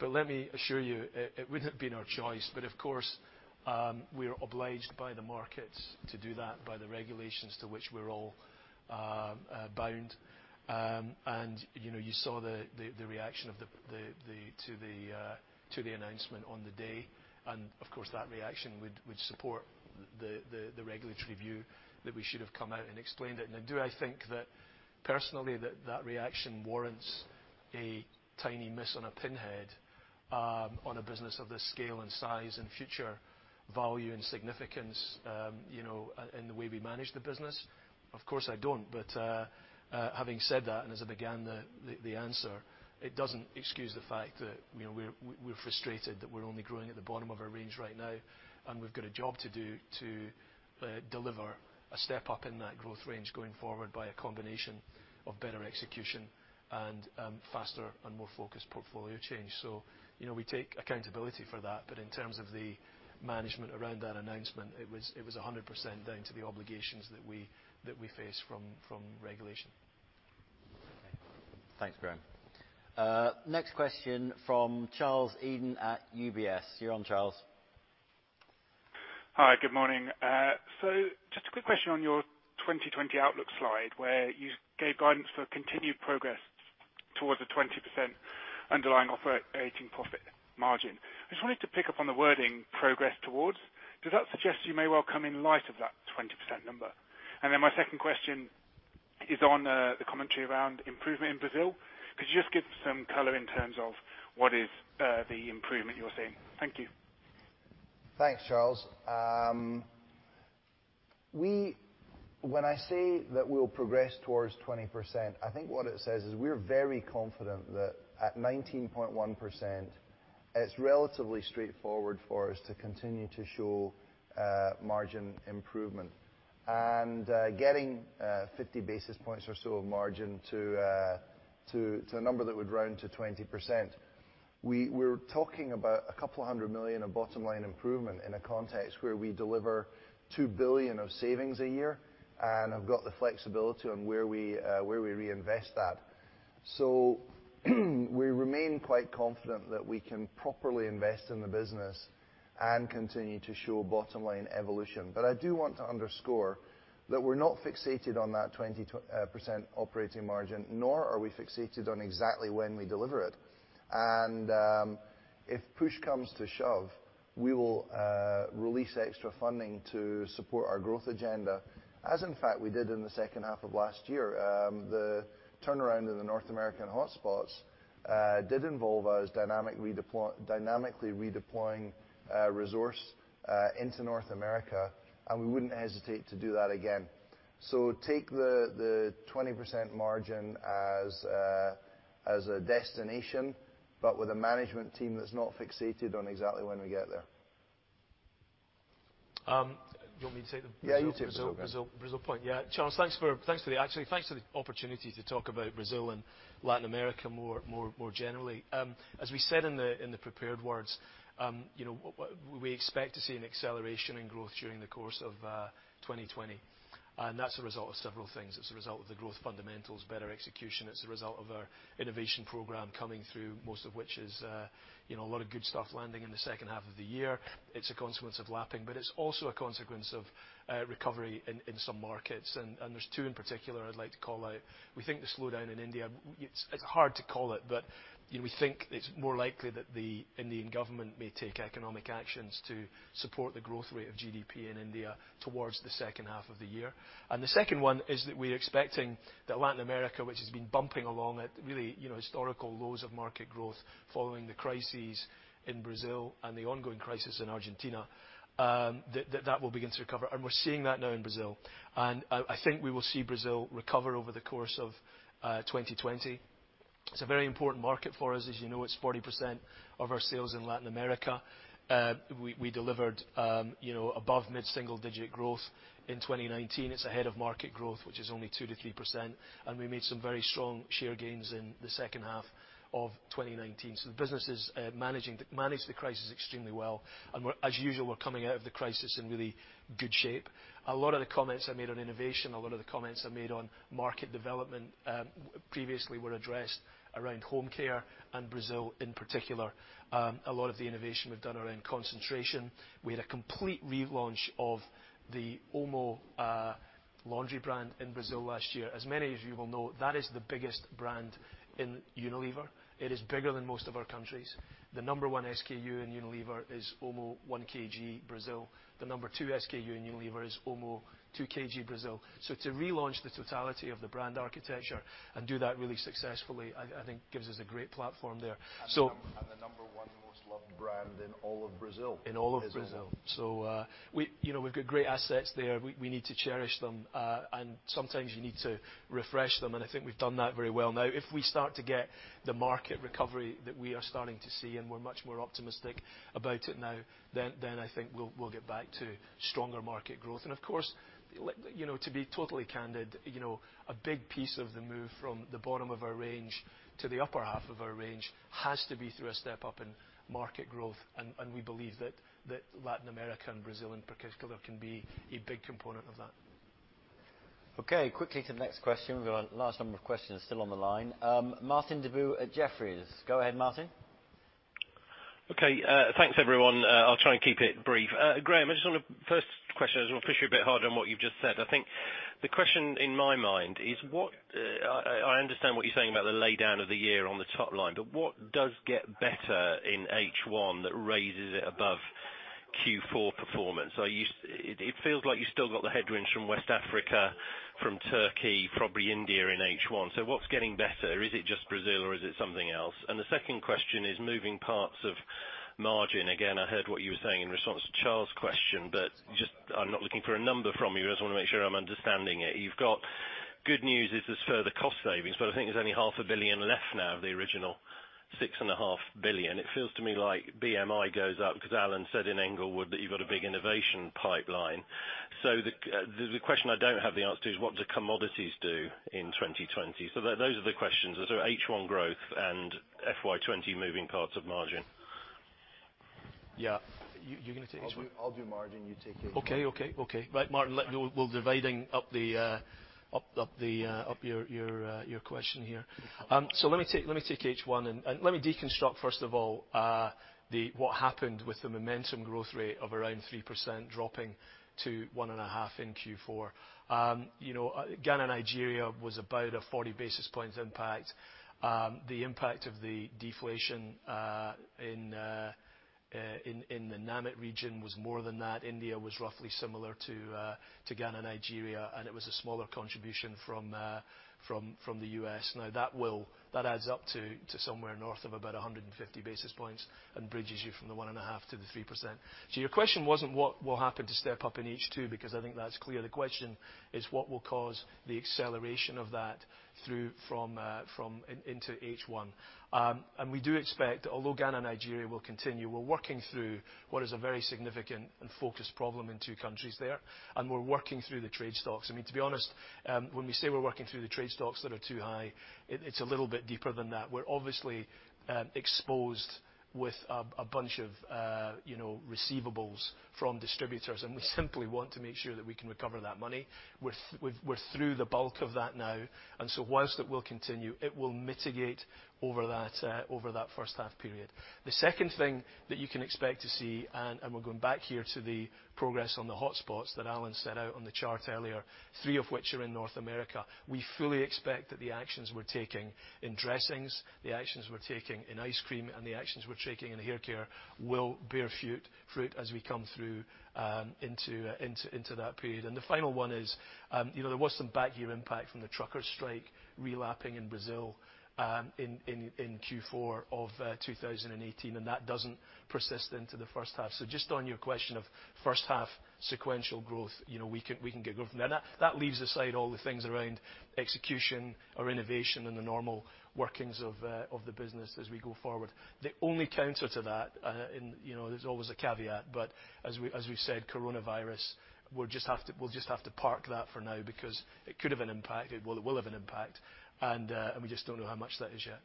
Let me assure you, it wouldn't have been our choice, but of course, we're obliged by the market to do that by the regulations to which we're all bound. You saw the reaction to the announcement on the day, and of course, that reaction would support the regulatory view that we should have come out and explained it. Now, do I think that personally that reaction warrants a tiny miss on a pinhead, on a business of this scale and size and future value and significance, in the way we manage the business? Of course I don't. Having said that, and as I began the answer, it doesn't excuse the fact that we're frustrated that we're only growing at the bottom of our range right now, and we've got a job to do to deliver a step up in that growth range going forward by a combination of better execution and faster and more focused portfolio change. We take accountability for that, but in terms of the management around that announcement, it was 100% down to the obligations that we face from regulation. Thanks, Graeme. Next question from Charles Eden at UBS. You're on, Charles. Hi, good morning. Just a quick question on your 2020 outlook slide where you gave guidance for continued progress towards a 20% underlying operating profit margin. I just wanted to pick up on the wording progress towards. Does that suggest you may well come in light of that 20% number? My second question is on the commentary around improvement in Brazil. Could you just give some color in terms of what is the improvement you're seeing? Thank you. Thanks, Charles. When I say that we'll progress towards 20%, I think what it says is we're very confident that at 19.1%, it's relatively straightforward for us to continue to show margin improvement. Getting 50 basis points or so of margin to a number that would round to 20%. We're talking about 200 million of bottom-line improvement in a context where we deliver 2 billion of savings a year and have got the flexibility on where we reinvest that. We remain quite confident that we can properly invest in the business and continue to show bottom-line evolution. I do want to underscore that we're not fixated on that 20% operating margin, nor are we fixated on exactly when we deliver it. If push comes to shove, we will release extra funding to support our growth agenda, as in fact we did in the second half of last year. The turnaround in the North American hotspots did involve us dynamically redeploying resource into North America, and we wouldn't hesitate to do that again. Take the 20% margin as a destination, but with a management team that's not fixated on exactly when we get there. Do you want me to take them? Yeah, you take Brazil. Brazil point. Yeah, Charles, thanks for the opportunity to talk about Brazil and Latin America more generally. As we said in the prepared words, we expect to see an acceleration in growth during the course of 2020, that's a result of several things. It's a result of the growth fundamentals, better execution. It's a result of our innovation program coming through, most of which is a lot of good stuff landing in the second half of the year. It's a consequence of lapping, it's also a consequence of recovery in some markets, there's two in particular I'd like to call out. We think the slowdown in India, it's hard to call it, we think it's more likely that the Indian government may take economic actions to support the growth rate of GDP in India towards the second half of the year. The second one is that we're expecting that Latin America, which has been bumping along at really historical lows of market growth following the crises in Brazil and the ongoing crisis in Argentina, that that will begin to recover. We're seeing that now in Brazil. I think we will see Brazil recover over the course of 2020. It's a very important market for us. As you know, it's 40% of our sales in Latin America. We delivered above mid-single digit growth in 2019. It's ahead of market growth, which is only 2%-3%, and we made some very strong share gains in the second half of 2019. The business managed the crisis extremely well, and as usual, we're coming out of the crisis in really good shape. A lot of the comments I made on innovation, a lot of the comments I made on market development previously were addressed around Home Care and Brazil in particular. A lot of the innovation we've done around concentration. We had a complete relaunch of the Omo laundry brand in Brazil last year. As many as you will know, that is the biggest brand in Unilever. It is bigger than most of our countries. The number one SKU in Unilever is Omo 1 kg Brazil. The number two SKU in Unilever is Omo 2 kg Brazil. To relaunch the totality of the brand architecture and do that really successfully, I think gives us a great platform there. The number one most loved brand in all of Brazil- In all of Brazil. -is Omo. We've got great assets there. We need to cherish them. Sometimes you need to refresh them, and I think we've done that very well. If we start to get the market recovery that we are starting to see, and we're much more optimistic about it now, then I think we'll get back to stronger market growth. Of course, to be totally candid, a big piece of the move from the bottom of our range to the upper half of our range has to be through a step up in market growth, and we believe that Latin America and Brazil in particular can be a big component of that. Okay, quickly to the next question. We've got a large number of questions still on the line. Martin Deboo at Jefferies. Go ahead, Martin. Okay, thanks everyone. I'll try and keep it brief. Graeme, first question, I just want to push you a bit harder on what you've just said. The question in my mind is, I understand what you're saying about the laydown of the year on the top line, what does get better in H1 that raises it above Q4 performance? It feels like you still got the headwinds from West Africa, from Turkey, probably India in H1. What's getting better? Is it just Brazil or is it something else? The second question is moving parts of margin. Again, I heard what you were saying in response to Charles' question, I'm not looking for a number from you, I just want to make sure I'm understanding it. You've got good news is this further cost savings, but I think there's only 500 million left now of the original 6.5 billion. It feels to me like BMI goes up because Alan said in Englewood that you've got a big innovation pipeline. The question I don't have the answer to is what do commodities do in 2020? Those are the questions. H1 growth and FY 2020 moving parts of margin. Yeah. You going to take H1? I'll do margin. You take H1. Okay. Right, Martin, we're dividing up your question here. Let me take H1 and let me deconstruct, first of all, what happened with the momentum growth rate of around 3% dropping to 1.5% in Q4. Ghana, Nigeria was about a 40 basis points impact. The impact of the deflation in the NAMET region was more than that. India was roughly similar to Ghana, Nigeria, and it was a smaller contribution from the U.S. That adds up to somewhere north of about 150 basis points and bridges you from the 1.5% to the 3%. Your question wasn't what will happen to step up in H2, because I think that's clear. The question is what will cause the acceleration of that through from into H1. We do expect, although Ghana, Nigeria will continue, we're working through what is a very significant and focused problem in two countries there, and we're working through the trade stocks. I mean, to be honest, when we say we're working through the trade stocks that are too high, it's a little bit deeper than that. We're obviously exposed with a bunch of receivables from distributors, and we simply want to make sure that we can recover that money. We're through the bulk of that now, whilst it will continue, it will mitigate over that first half period. The second thing that you can expect to see, we're going back here to the progress on the hotspots that Alan set out on the chart earlier, three of which are in North America. We fully expect that the actions we're taking in dressings, the actions we're taking in ice cream, and the actions we're taking in hair care will bear fruit as we come through into that period. The final one is, there was some back year impact from the trucker strike relapping in Brazil, in Q4 of 2018, and that doesn't persist into the first half. Just on your question of first half sequential growth, we can get growth from there. That leaves aside all the things around execution or innovation and the normal workings of the business as we go forward. The only counter to that, and there's always a caveat, but as we've said, coronavirus, we'll just have to park that for now because it could have an impact. It will have an impact, and we just don't know how much that is yet.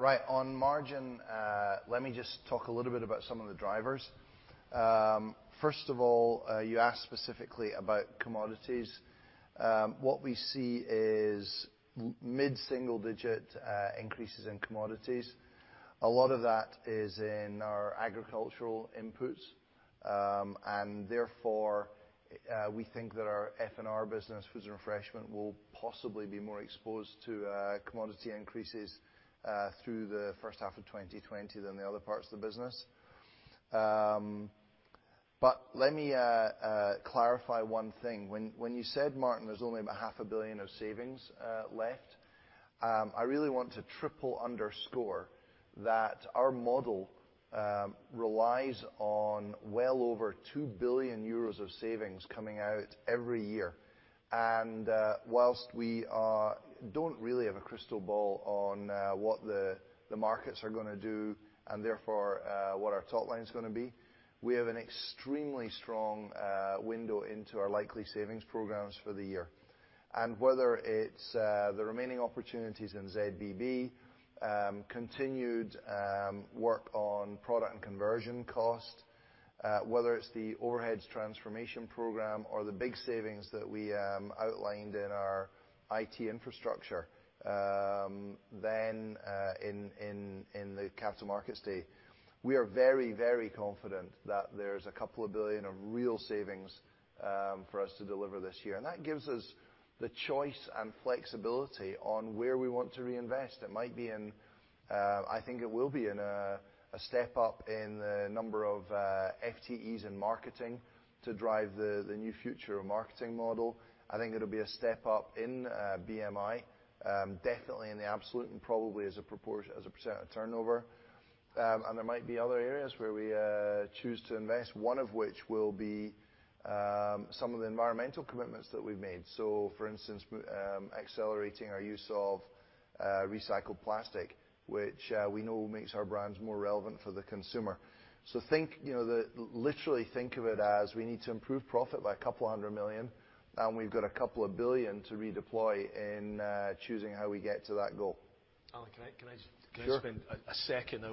Right. On margin, let me just talk a little bit about some of the drivers. First of all, you asked specifically about commodities. What we see is mid-single-digit increases in commodities. A lot of that is in our agricultural inputs. Therefore, we think that our F&R business, Foods & Refreshment, will possibly be more exposed to commodity increases through the first half of 2020 than the other parts of the business. Let me clarify one thing. When you said, Martin, there's only about 500 million of savings left, I really want to triple underscore that our model relies on well over 2 billion euros of savings coming out every year. Whilst we don't really have a crystal ball on what the markets are going to do, and therefore, what our top line's going to be, we have an extremely strong window into our likely savings programs for the year. Whether it's the remaining opportunities in ZBB, continued work on product and conversion cost, whether it's the overhead transformation program or the big savings that we outlined in our IT infrastructure, then in the Capital Markets Day, we are very confident that there's a couple of billion of real savings for us to deliver this year. That gives us the choice and flexibility on where we want to reinvest. I think it will be in a step up in the number of FTEs in marketing to drive the new future of marketing model. I think it'll be a step up in BMI, definitely in the absolute and probably as a percent of turnover. There might be other areas where we choose to invest, one of which will be some of the environmental commitments that we've made. For instance, accelerating our use of recycled plastic, which we know makes our brands more relevant for the consumer. Literally think of it as we need to improve profit by a couple hundred million, and we've got a couple of billion to redeploy in choosing how we get to that goal. Alan, can I- Sure. -spend a second? I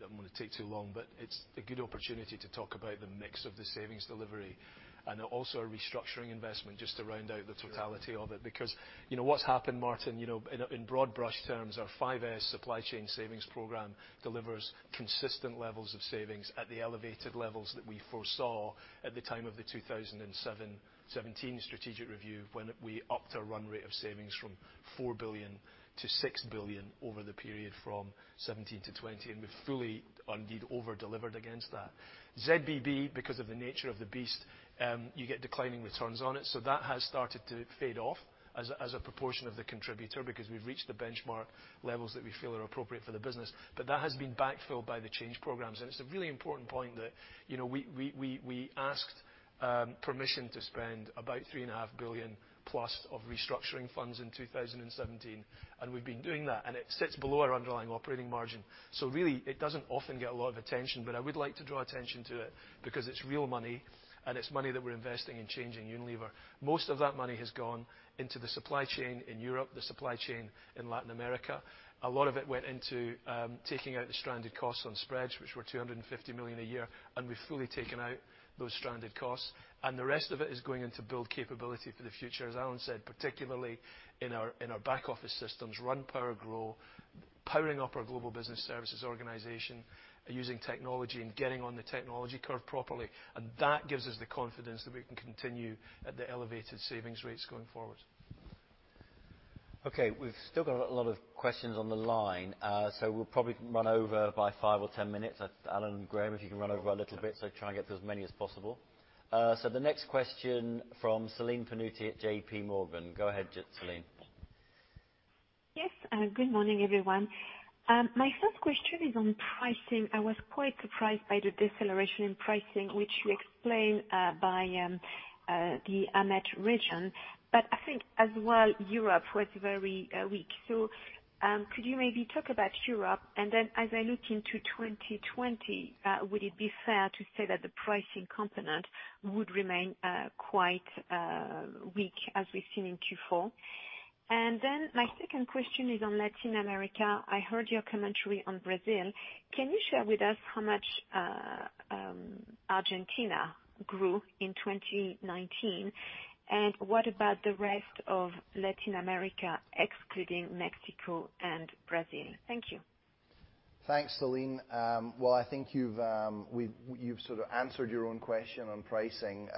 don't want to take too long, but it's a good opportunity to talk about the mix of the savings delivery and also a restructuring investment, just to round out the totality of it. What's happened, Martin, in broad brush terms, our 5S supply chain savings program delivers consistent levels of savings at the elevated levels that we foresaw at the time of the 2017 strategic review, when we upped our run rate of savings from 4 billion to 6 billion over the period from 2017 to 2020, and we've fully indeed over-delivered against that. ZBB, because of the nature of the beast, you get declining returns on it, so that has started to fade off as a proportion of the contributor because we've reached the benchmark levels that we feel are appropriate for the business. That has been backfilled by the change programs. It's a really important point that we asked permission to spend about 3.5+ billion of restructuring funds in 2017, and we've been doing that, and it sits below our underlying operating margin. Really, it doesn't often get a lot of attention, but I would like to draw attention to it because it's real money, and it's money that we're investing in changing Unilever. Most of that money has gone into the supply chain in Europe, the supply chain in Latin America. A lot of it went into taking out the stranded costs on spreads, which were 250 million a year. We've fully taken out those stranded costs. The rest of it is going into build capability for the future, as Alan said, particularly in our back office systems, Run, Power, Grow, powering up our global business services organization using technology and getting on the technology curve properly. That gives us the confidence that we can continue at the elevated savings rates going forward. Okay. We've still got a lot of questions on the line. We'll probably run over by five or 10 minutes. Alan and Graeme, if you can run over a little bit, try and get through as many as possible. The next question from Celine Pannuti at JPMorgan. Go ahead, Celine. Yes. Good morning, everyone. My first question is on pricing. I was quite surprised by the deceleration in pricing, which you explained by the AMET region. I think as well, Europe was very weak. Could you maybe talk about Europe? As I look into 2020, would it be fair to say that the pricing component would remain quite weak as we've seen in Q4? My second question is on Latin America. I heard your commentary on Brazil. Can you share with us how much Argentina grew in 2019? What about the rest of Latin America, excluding Mexico and Brazil? Thank you. Thanks, Celine. I think you've sort of answered your own question on pricing.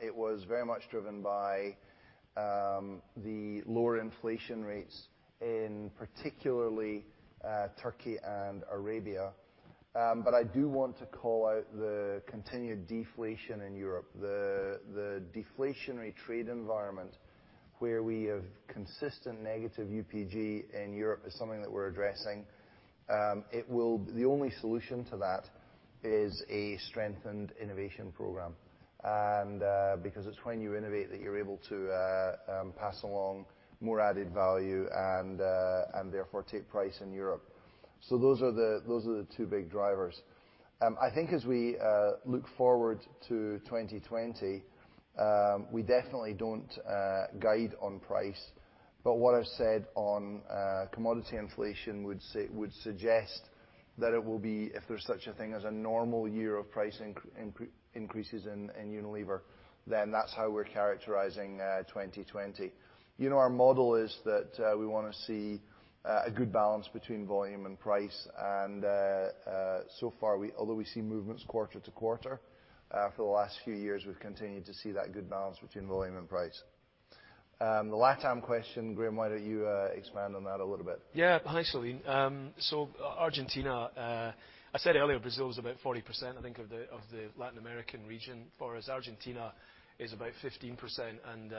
It was very much driven by the lower inflation rates in particularly Turkey and Arabia. I do want to call out the continued deflation in Europe. The deflationary trade environment where we have consistent negative UPG in Europe is something that we're addressing. The only solution to that is a strengthened innovation program, and because it's when you innovate that you're able to pass along more added value and therefore take price in Europe. Those are the two big drivers. I think as we look forward to 2020, we definitely don't guide on price. What I've said on commodity inflation would suggest that it will be, if there's such a thing as a normal year of price increases in Unilever, then that's how we're characterizing 2020. Our model is that we want to see a good balance between volume and price. So far, although we see movements quarter-to-quarter, for the last few years, we've continued to see that good balance between volume and price. The LatAm question, Graeme, why don't you expand on that a little bit? Hi, Celine. Argentina, I said earlier, Brazil is about 40%, I think, of the Latin American region, whereas Argentina is about 15% and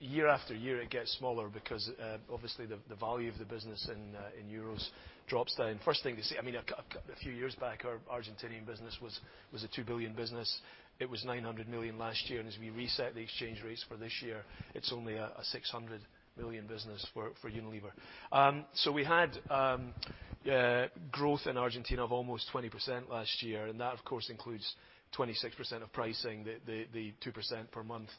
year after year it gets smaller because obviously the value of the business in euros drops down. First thing to say, a few years back, our Argentinian business was a 2 billion business. It was 900 million last year, and as we reset the exchange rates for this year, it's only a 600 million business for Unilever. We had growth in Argentina of almost 20% last year, and that of course includes 26% of pricing, the 2% per month,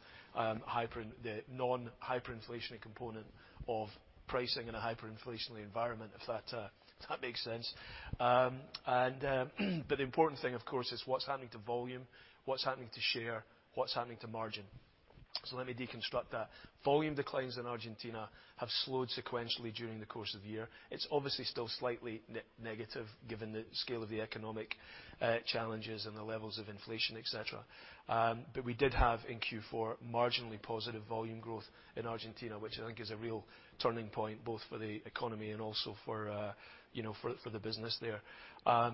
the non-hyperinflationary component of pricing in a hyperinflationary environment, if that makes sense. The important thing, of course, is what's happening to volume, what's happening to share, what's happening to margin. Let me deconstruct that. Volume declines in Argentina have slowed sequentially during the course of the year. It's obviously still slightly negative given the scale of the economic challenges and the levels of inflation, et cetera. We did have, in Q4, marginally positive volume growth in Argentina, which I think is a real turning point both for the economy and also for the business there.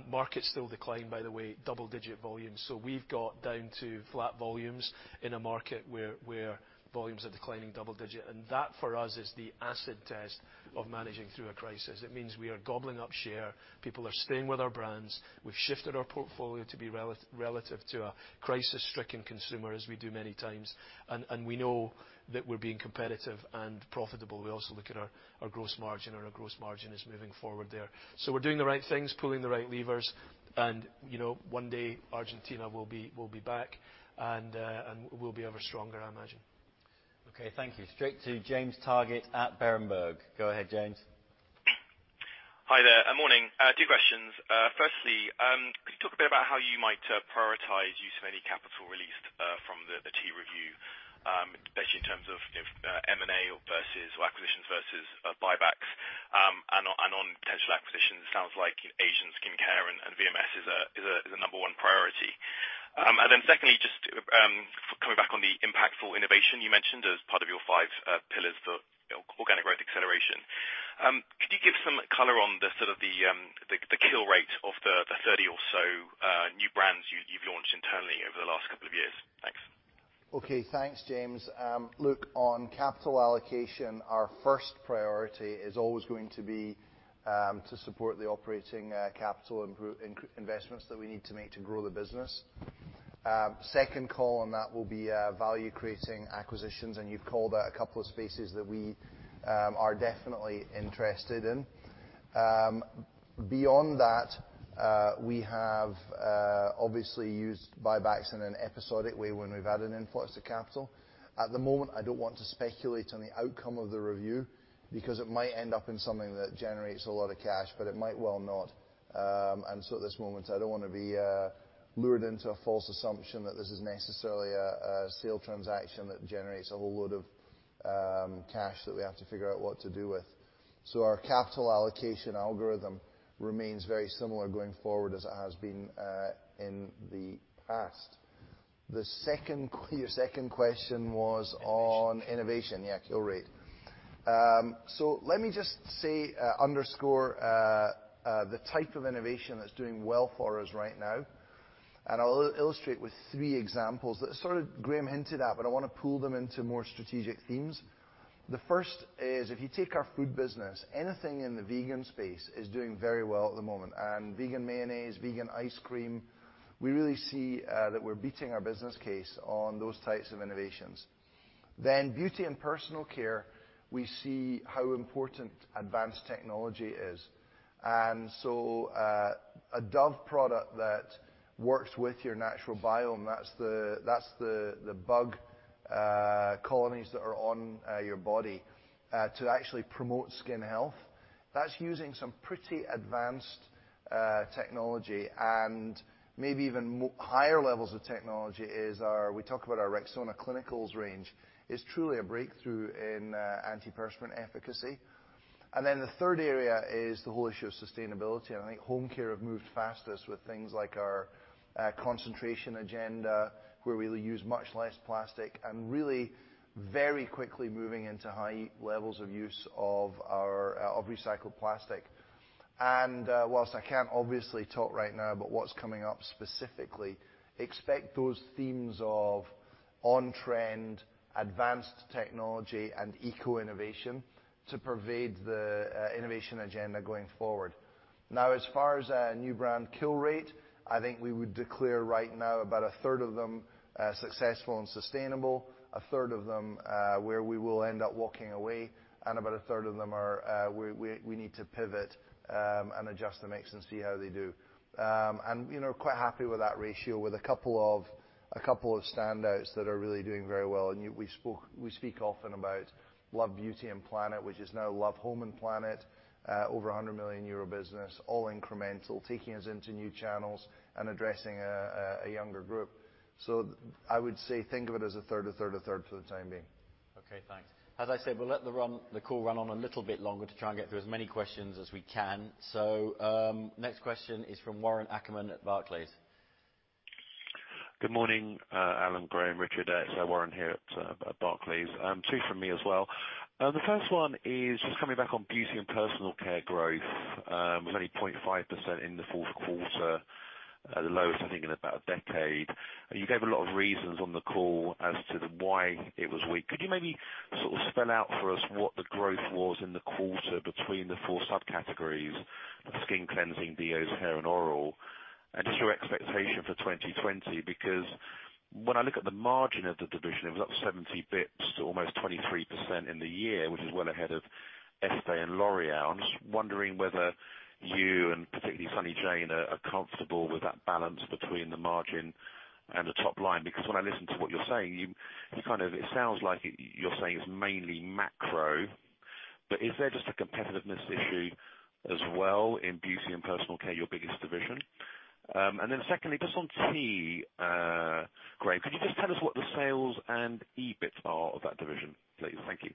Markets still declined, by the way, double-digit volumes. We've got down to flat volumes in a market where volumes are declining double-digit, and that for us is the acid test of managing through a crisis. It means we are gobbling up share. People are staying with our brands. We've shifted our portfolio to be relative to a crisis-stricken consumer, as we do many times. We know that we're being competitive and profitable. We also look at our gross margin, and our gross margin is moving forward there. We're doing the right things, pulling the right levers, and one day Argentina will be back and will be ever stronger, I imagine. Okay, thank you. Straight to James Targett at Berenberg. Go ahead, James. Hi there. Morning. Two questions. Firstly, could you talk a bit about how you might prioritize use of any capital released from the T review, especially in terms of M&A versus acquisitions versus buybacks? On potential acquisitions, it sounds like Asian skincare and VMS is a number one priority. Secondly, just coming back on the impactful innovation you mentioned as part of your five pillars for organic growth acceleration. Could you give some color on the sort of the kill rate of the 30 or so new brands you've launched internally over the last couple of years? Thanks. Okay. Thanks, James. Look, on capital allocation, our first priority is always going to be to support the operating capital investments that we need to make to grow the business. Second call on that will be value creating acquisitions, and you've called out a couple of spaces that we are definitely interested in. Beyond that, we have obviously used buybacks in an episodic way when we've had an influx of capital. At the moment, I don't want to speculate on the outcome of the review because it might end up in something that generates a lot of cash, but it might well not. At this moment, I don't want to be lured into a false assumption that this is necessarily a sale transaction that generates a whole load of cash that we have to figure out what to do with. Our capital allocation algorithm remains very similar going forward as it has been in the past. Your second question was on innovation. Yeah, kill rate. Let me just say, underscore, the type of innovation that's doing well for us right now, and I'll illustrate with three examples that sort of Graeme hinted at, but I want to pool them into more strategic themes. The first is if you take our food business, anything in the vegan space is doing very well at the moment, and vegan mayonnaise, vegan ice cream, we really see that we're beating our business case on those types of innovations. Beauty & Personal Care, we see how important advanced technology is. A Dove product that works with your natural biome, that's the bug colonies that are on your body, to actually promote skin health, that's using some pretty advanced technology and maybe even higher levels of technology, we talk about our Rexona Clinicals range, is truly a breakthrough in antiperspirant efficacy. The third area is the whole issue of sustainability, and I think Home Care have moved fastest with things like our concentration agenda, where we use much less plastic and really very quickly moving into high levels of use of recycled plastic. Whilst I can't obviously talk right now about what's coming up specifically, expect those themes of on trend, advanced technology, and eco-innovation to pervade the innovation agenda going forward. As far as our new brand kill rate, I think we would declare right now about 1/3 of them successful and sustainable, 1/3 of them where we will end up walking away, and about 1/3 of them we need to pivot and adjust the mix and see how they do. I'm quite happy with that ratio, with a couple of standouts that are really doing very well. We speak often about Love Beauty & Planet, which is now Love Home & Planet. Over 100 million euro business, all incremental, taking us into new channels and addressing a younger group. I would say think of it as a third, a third, a third for the time being. Okay, thanks. As I said, we'll let the call run on a little bit longer to try and get through as many questions as we can. Next question is from Warren Ackerman at Barclays. Good morning, Alan, Graeme, Richard. It's Warren here at Barclays. Two from me as well. The first one is just coming back on Beauty & Personal Care growth was only 0.5% in the fourth quarter, the lowest I think in about a decade. You gave a lot of reasons on the call as to why it was weak. Could you maybe spell out for us what the growth was in the quarter between the four subcategories of skin cleansing, deos, hair, and oral, and just your expectation for 2020? When I look at the margin of the division, it was up 70 basis points to almost 23% in the year, which is well ahead of Estée and L'Oréal. I'm just wondering whether you and particularly Sunny Jain are comfortable with that balance between the margin and the top line, because when I listen to what you're saying, it sounds like you're saying it's mainly macro, but is there just a competitiveness issue as well in Beauty & Personal Care, your biggest division? Secondly, just on tea, Graeme, could you just tell us what the sales and EBIT are of that division please? Thank you.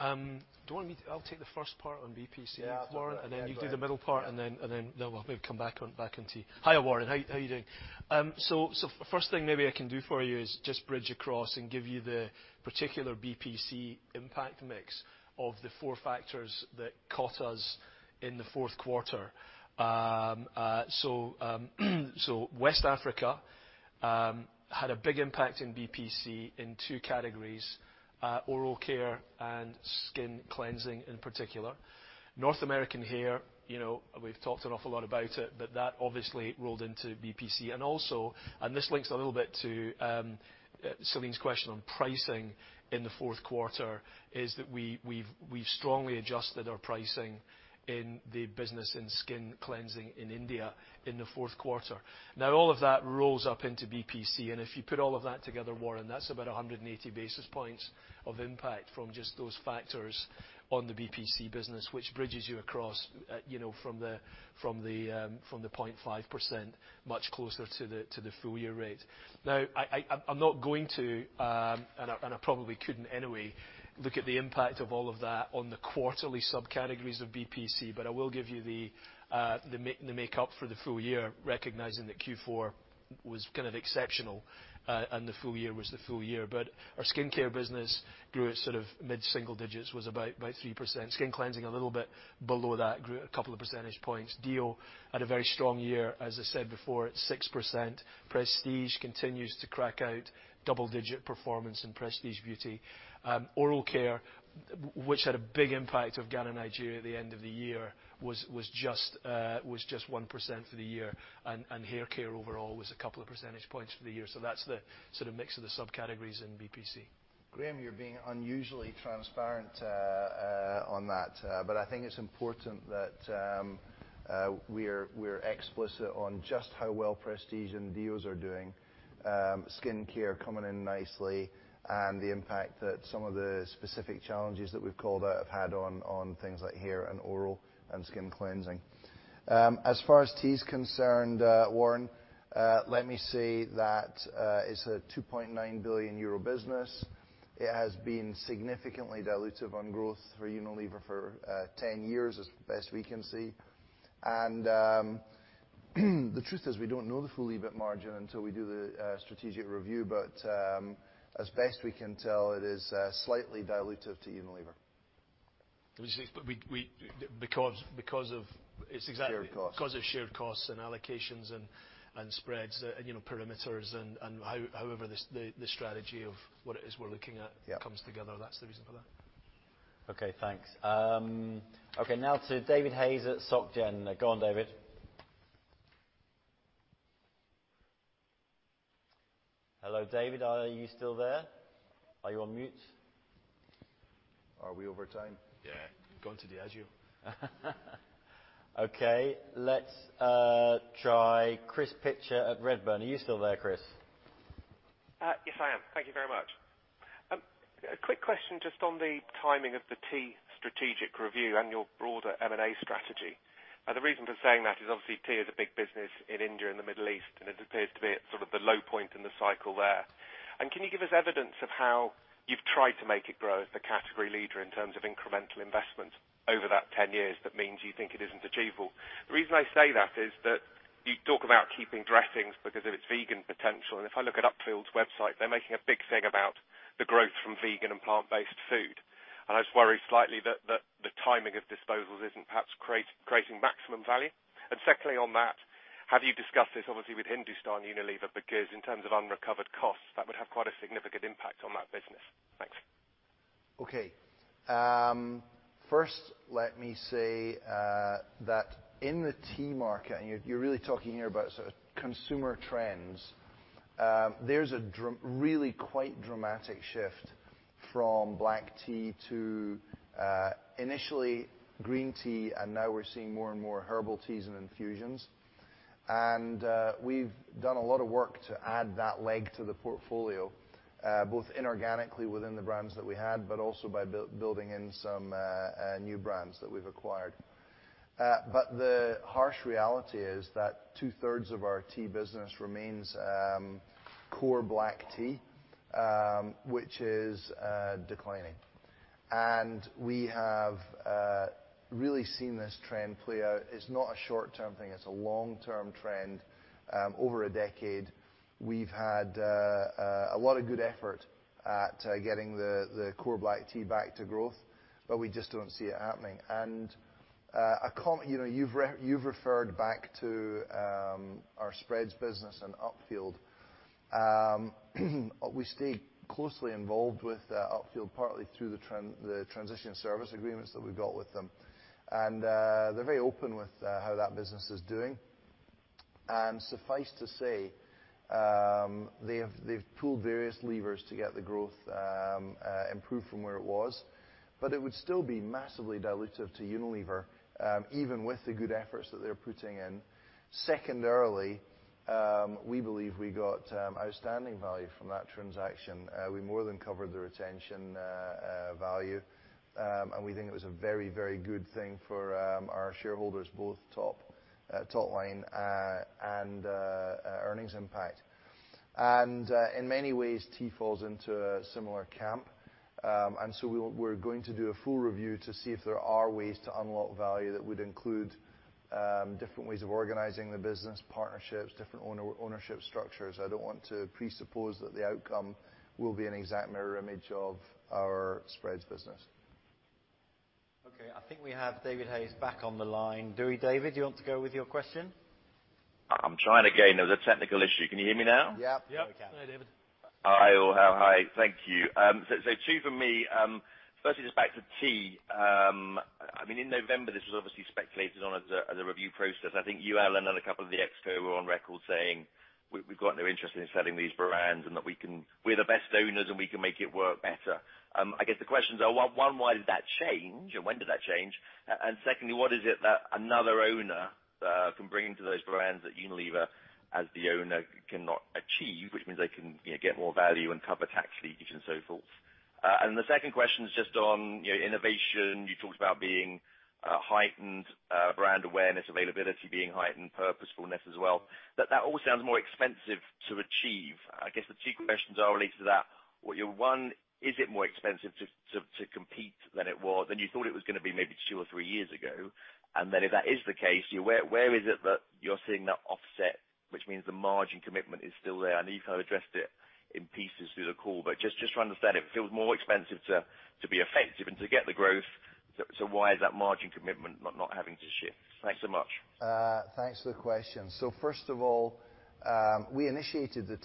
I'll take the first part on BPC, Warren. Yeah. Then you do the middle part, and then we'll maybe come back on tea. Hi, Warren. How are you doing? First thing maybe I can do for you is just bridge across and give you the particular BPC impact mix of the four factors that caught us in the fourth quarter. West Africa had a big impact in BPC in two categories, oral care and skin cleansing in particular. North American hair, we've talked an awful lot about it, but that obviously rolled into BPC. This links a little bit to Celine's question on pricing in the fourth quarter, is that we've strongly adjusted our pricing in the business in skin cleansing in India in the fourth quarter. All of that rolls up into BPC, and if you put all of that together, Warren, that's about 180 basis points of impact from just those factors on the BPC business, which bridges you across from the 0.5% much closer to the full year rate. I'm not going to, and I probably couldn't anyway, look at the impact of all of that on the quarterly subcategories of BPC, but I will give you the makeup for the full year, recognizing that Q4 was kind of exceptional, and the full year was the full year. Our skincare business grew at mid-single digits, was about 3%. Skin cleansing, a little bit below that, grew a couple of percentage points. Deo had a very strong year. As I said before, it's 6%. Prestige continues to crack out double-digit performance in prestige beauty. Oral care, which had a big impact of Ghana, Nigeria at the end of the year, was just 1% for the year, and hair care overall was a couple of percentage points for the year. That's the mix of the subcategories in BPC. Graeme, you're being unusually transparent on that. I think it's important that we're explicit on just how well prestige and deos are doing. Skincare coming in nicely and the impact that some of the specific challenges that we've called out have had on things like hair and oral and skin cleansing. As far as tea is concerned, Warren, let me say that it's a 2.9 billion euro business. It has been significantly dilutive on growth for Unilever for 10 years, as best we can see. The truth is we don't know the full EBIT margin until we do the strategic review, but as best we can tell, it is slightly dilutive to Unilever. Because of-- It's exactly- Shared costs. -because of shared costs and allocations and spreads and perimeters and however the strategy of what it is we're looking at- Yeah. -comes together. That's the reason for that. Okay, thanks. Now to David Hayes at SocGen. Go on, David. Hello, David, are you still there? Are you on mute? Are we over time? Yeah. Going to the adieu. Okay, let's try Chris Pitcher at Redburn. Are you still there, Chris? Yes, I am. Thank you very much. A quick question just on the timing of the tea strategic review and your broader M&A strategy. The reason for saying that is obviously tea is a big business in India and the Middle East, and it appears to be at the low point in the cycle there. Can you give us evidence of how you've tried to make it grow as the category leader in terms of incremental investment over that 10 years that means you think it isn't achievable? The reason I say that is that you talk about keeping dressings because of its vegan potential, and if I look at Upfield's website, they're making a big thing about the growth from vegan and plant-based food, and I just worry slightly that the timing of disposals isn't perhaps creating maximum value. Secondly, on that, have you discussed this obviously with Hindustan Unilever, because in terms of unrecovered costs, that would have quite a significant impact on that business. Thanks. Okay. First, let me say that in the tea market, and you're really talking here about consumer trends, there's a really quite dramatic shift from black tea to initially green tea, and now we're seeing more and more herbal teas and infusions. We've done a lot of work to add that leg to the portfolio, both inorganically within the brands that we had, but also by building in some new brands that we've acquired. The harsh reality is that 2/3 of our tea business remains core black tea, which is declining. We have really seen this trend play out. It's not a short-term thing, it's a long-term trend. Over a decade, we've had a lot of good effort at getting the core black tea back to growth, but we just don't see it happening. You've referred back to our spreads business and Upfield. We stay closely involved with Upfield, partly through the transition service agreements that we've got with them. They're very open with how that business is doing. Suffice to say, they've pulled various levers to get the growth improved from where it was, but it would still be massively dilutive to Unilever, even with the good efforts that they're putting in. Secondarily, we believe we got outstanding value from that transaction. We more than covered the retention value, and we think it was a very, very good thing for our shareholders, both top line and earnings impact. In many ways, tea falls into a similar camp. We're going to do a full review to see if there are ways to unlock value that would include different ways of organizing the business, partnerships, different ownership structures. I don't want to presuppose that the outcome will be an exact mirror image of our spreads business. Okay, I think we have David Hayes back on the line. Do we, David? Do you want to go with your question? I'm trying again. There was a technical issue. Can you hear me now? Yep. Now we can. Hi, David. Hi, all. Hi. Thank you. Two from me. First, just back to tea. In November, this was obviously speculated on as a review process. I think you, Alan, and a couple of the exec were on record saying, "We've got no interest in selling these brands, and that we're the best owners and we can make it work better." I guess the questions are, one, why did that change, and when did that change? Secondly, what is it that another owner can bring to those brands that Unilever as the owner cannot achieve, which means they can get more value and cover tax leakage and so forth? The second question is just on innovation. You talked about being heightened brand awareness, availability being heightened, purposefulness as well, but that all sounds more expensive to achieve. I guess the two questions I'll relate to that, one, is it more expensive to compete than you thought it was going to be maybe two or three years ago? If that is the case, where is it that you're seeing that offset, which means the margin commitment is still there? I know you've kind of addressed it in pieces through the call, but just to understand, it feels more expensive to be effective and to get the growth, why is that margin commitment not having to shift? Thanks so much. Thanks for the question. First of all, we initiated the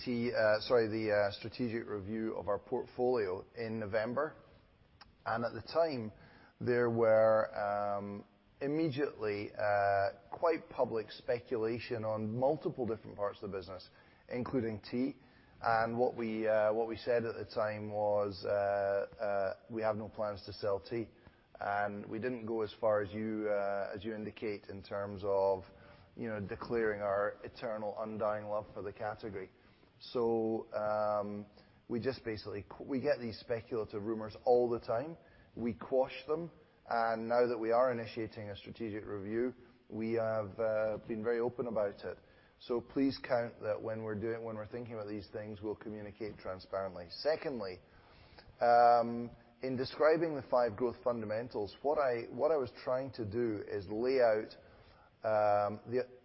strategic review of our portfolio in November, and at the time, there were immediately quite public speculation on multiple different parts of the business, including tea. What we said at the time was, we have no plans to sell tea, and we didn't go as far as you indicate in terms of declaring our eternal undying love for the category. We get these speculative rumors all the time. We quash them, and now that we are initiating a strategic review, we have been very open about it. Please count that when we're thinking about these things, we'll communicate transparently. Secondly, in describing the Five Growth Fundamentals, what I was trying to do is lay out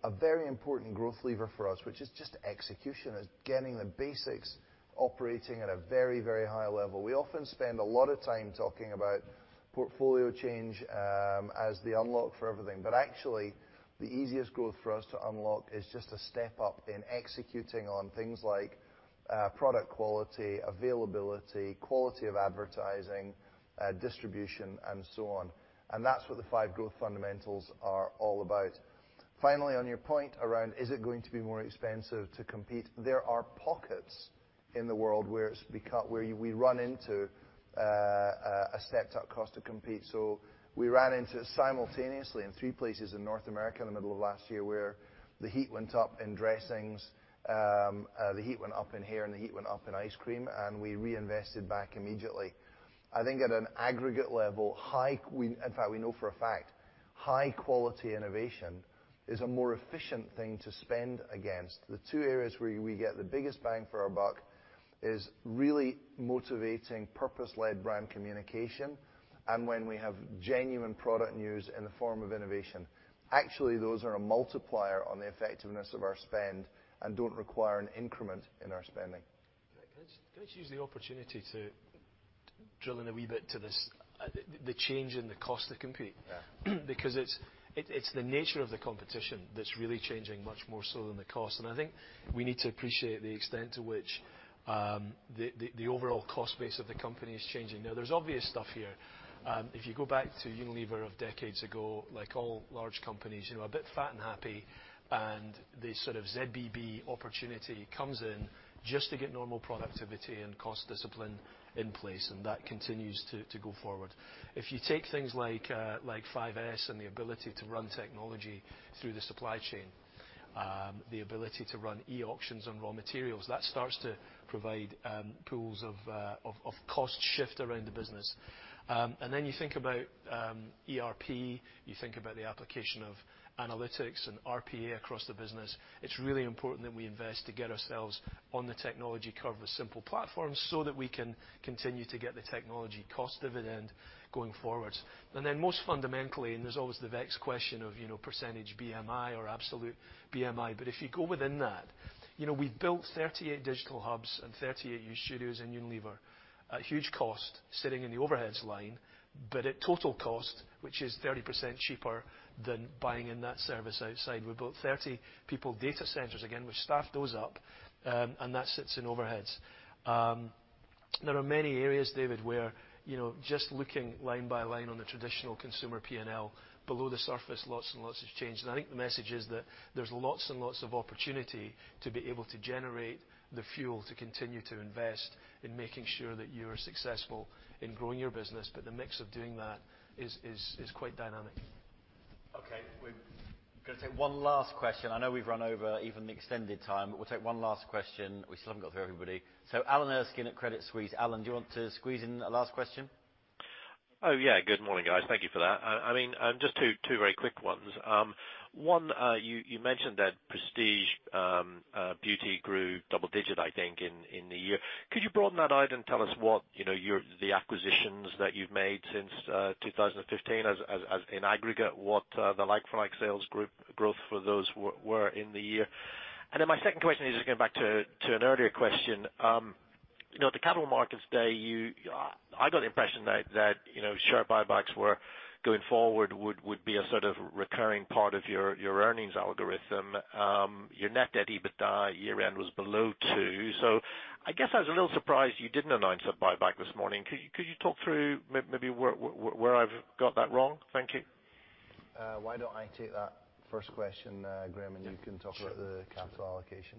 a very important growth lever for us, which is just execution, is getting the basics operating at a very, very high level. We often spend a lot of time talking about portfolio change as the unlock for everything. Actually, the easiest growth for us to unlock is just a step up in executing on things like product quality, availability, quality of advertising, distribution, and so on. That's what the Five Growth Fundamentals are all about. Finally, on your point around is it going to be more expensive to compete, there are pockets in the world where we run into a stepped up cost to compete. We ran into it simultaneously in three places in North America in the middle of last year, where the heat went up in dressings, the heat went up in hair, and the heat went up in ice cream, and we reinvested back immediately. I think at an aggregate level, in fact, we know for a fact, high quality innovation is a more efficient thing to spend against. The two areas where we get the biggest bang for our buck is really motivating purpose-led brand communication and when we have genuine product news in the form of innovation. Those are a multiplier on the effectiveness of our spend and don't require an increment in our spending. Can I just use the opportunity to drill in a wee bit to the change in the cost to compete? Yeah. Because it's the nature of the competition that's really changing much more so than the cost. I think we need to appreciate the extent to which the overall cost base of the company is changing. Now, there's obvious stuff here. If you go back to Unilever of decades ago, like all large companies, a bit fat and happy, and the sort of ZBB opportunity comes in just to get normal productivity and cost discipline in place, and that continues to go forward. If you take things like 5S and the ability to run technology through the supply chain, the ability to run e-auctions on raw materials, that starts to provide pools of cost shift around the business. You think about ERP, you think about the application of analytics and RPA across the business, it's really important that we invest to get ourselves on the technology curve with simple platforms so that we can continue to get the technology cost dividend going forward. Most fundamentally, there's always the vex question of percentage BMI or absolute BMI, but if you go within that, we've built 38 digital hubs and 38 U-Studios in Unilever at huge cost, sitting in the overheads line, but at total cost, which is 30% cheaper than buying in that service outside. We built 30 people data centers, again, we staff those up, and that sits in overheads. There are many areas, David, where just looking line by line on the traditional consumer P&L, below the surface, lots and lots has changed. I think the message is that there's lots and lots of opportunity to be able to generate the fuel to continue to invest in making sure that you are successful in growing your business. The mix of doing that is quite dynamic. Okay. We're going to take one last question. I know we've run over even the extended time, but we'll take one last question. We still haven't got through everybody. Alan Erskine at Credit Suisse. Alan, do you want to squeeze in a last question? Oh, yeah. Good morning, guys. Thank you for that. Just two very quick ones. One, you mentioned that Prestige beauty grew double-digit, I think, in the year. Could you broaden that out and tell us what the acquisitions that you've made since 2015, as in aggregate, what the like-for-like sales growth for those were in the year? My second question is just going back to an earlier question. At the Capital Markets Day, I got the impression that share buybacks were, going forward, would be a sort of recurring part of your earnings algorithm. Your net debt EBITDA year end was below two. I guess I was a little surprised you didn't announce a buyback this morning. Could you talk through maybe where I've got that wrong? Thank you. Why don't I take that first question, Graeme, and you can talk about the capital allocation.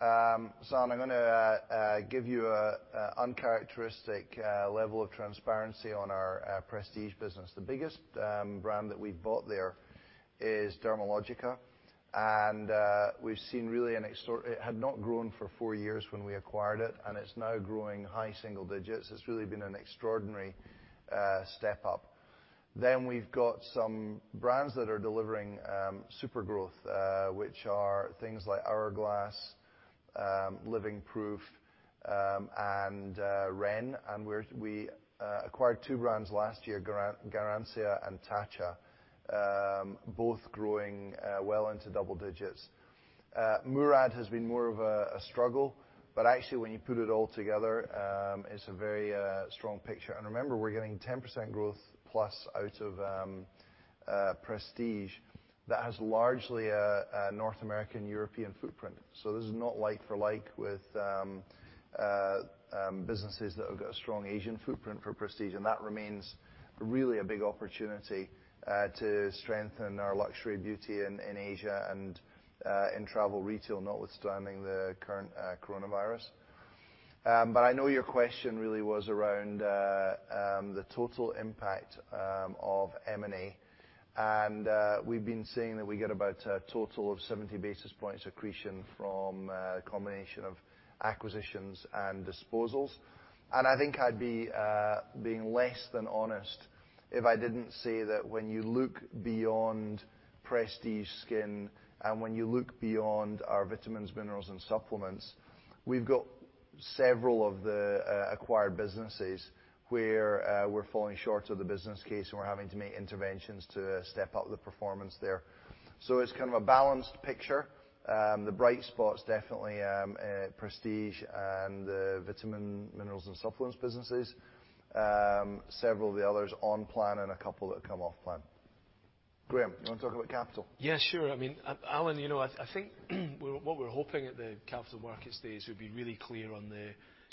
I'm going to give you an uncharacteristic level of transparency on our prestige business. The biggest brand that we've bought there is Dermalogica. It had not grown for four years when we acquired it, and it's now growing high single digits. It's really been an extraordinary step up. We've got some brands that are delivering super growth, which are things like Hourglass, Living Proof, and REN. We acquired two brands last year, Garancia and Tatcha, both growing well into double digits. Murad has been more of a struggle, actually, when you put it all together, it's a very strong picture. Remember, we're getting 10% growth plus out of prestige. That has largely a North American, European footprint. This is not like-for-like with businesses that have got a strong Asian footprint for prestige, and that remains really a big opportunity to strengthen our luxury beauty in Asia and in travel retail, notwithstanding the current coronavirus. I know your question really was around the total impact of M&A, and we've been saying that we get about a total of 70 basis point accretion from a combination of acquisitions and disposals. I think I'd be being less than honest if I didn't say that when you look beyond prestige skin and when you look beyond our vitamins, minerals, and supplements, we've got several of the acquired businesses where we're falling short of the business case, and we're having to make interventions to step up the performance there. It's kind of a balanced picture. The bright spots definitely prestige and the vitamin, minerals, and supplements businesses. Several of the others on plan and a couple that have come off plan. Graeme, you want to talk about capital? Yeah, sure. Alan, I think what we're hoping at the Capital Markets Day is we'd be really clear on the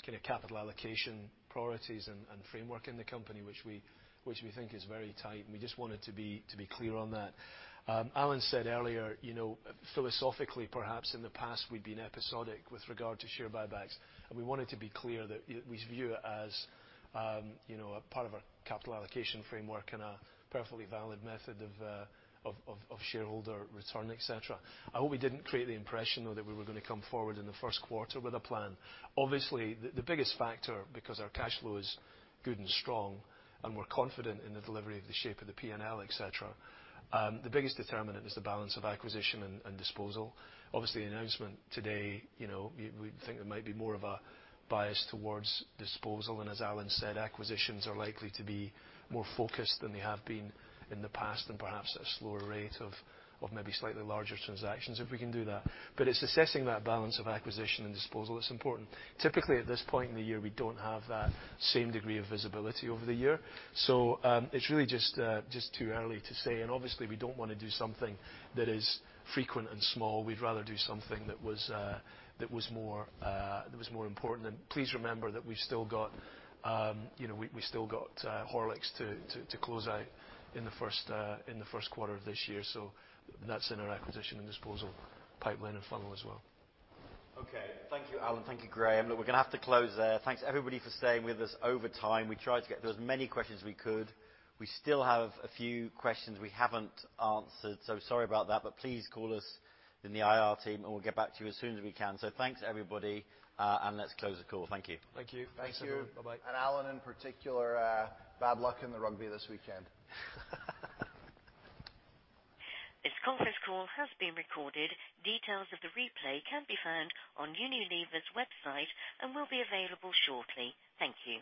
kind of capital allocation priorities and framework in the company, which we think is very tight, and we just wanted to be clear on that. Alan said earlier, philosophically perhaps in the past, we've been episodic with regard to share buybacks, and we wanted to be clear that we view it as part of our capital allocation framework and a perfectly valid method of shareholder return, et cetera. I hope we didn't create the impression, though, that we were going to come forward in the first quarter with a plan. Obviously, the biggest factor, because our cash flow is good and strong, and we're confident in the delivery of the shape of the P&L, et cetera, the biggest determinant is the balance of acquisition and disposal. Obviously, the announcement today, we think there might be more of a bias towards disposal. As Alan said, acquisitions are likely to be more focused than they have been in the past and perhaps at a slower rate of maybe slightly larger transactions, if we can do that. It's assessing that balance of acquisition and disposal that's important. Typically, at this point in the year, we don't have that same degree of visibility over the year. It's really just too early to say, and obviously, we don't want to do something that is frequent and small. We'd rather do something that was more important. Please remember that we've still got Horlicks to close out in the first quarter of this year. That's in our acquisition and disposal pipeline and funnel as well. Okay. Thank you, Alan. Thank you, Graeme. Look, we're going to have to close there. Thanks, everybody, for staying with us over time. We tried to get through as many questions as we could. We still have a few questions we haven't answered, so sorry about that, but please call us in the IR team, and we'll get back to you as soon as we can. Thanks, everybody, and let's close the call. Thank you. Thank you. Thanks, everyone. Bye-bye. Thank you. Alan, in particular, bad luck in the rugby this weekend. This conference call has been recorded. Details of the replay can be found on Unilever's website and will be available shortly. Thank you.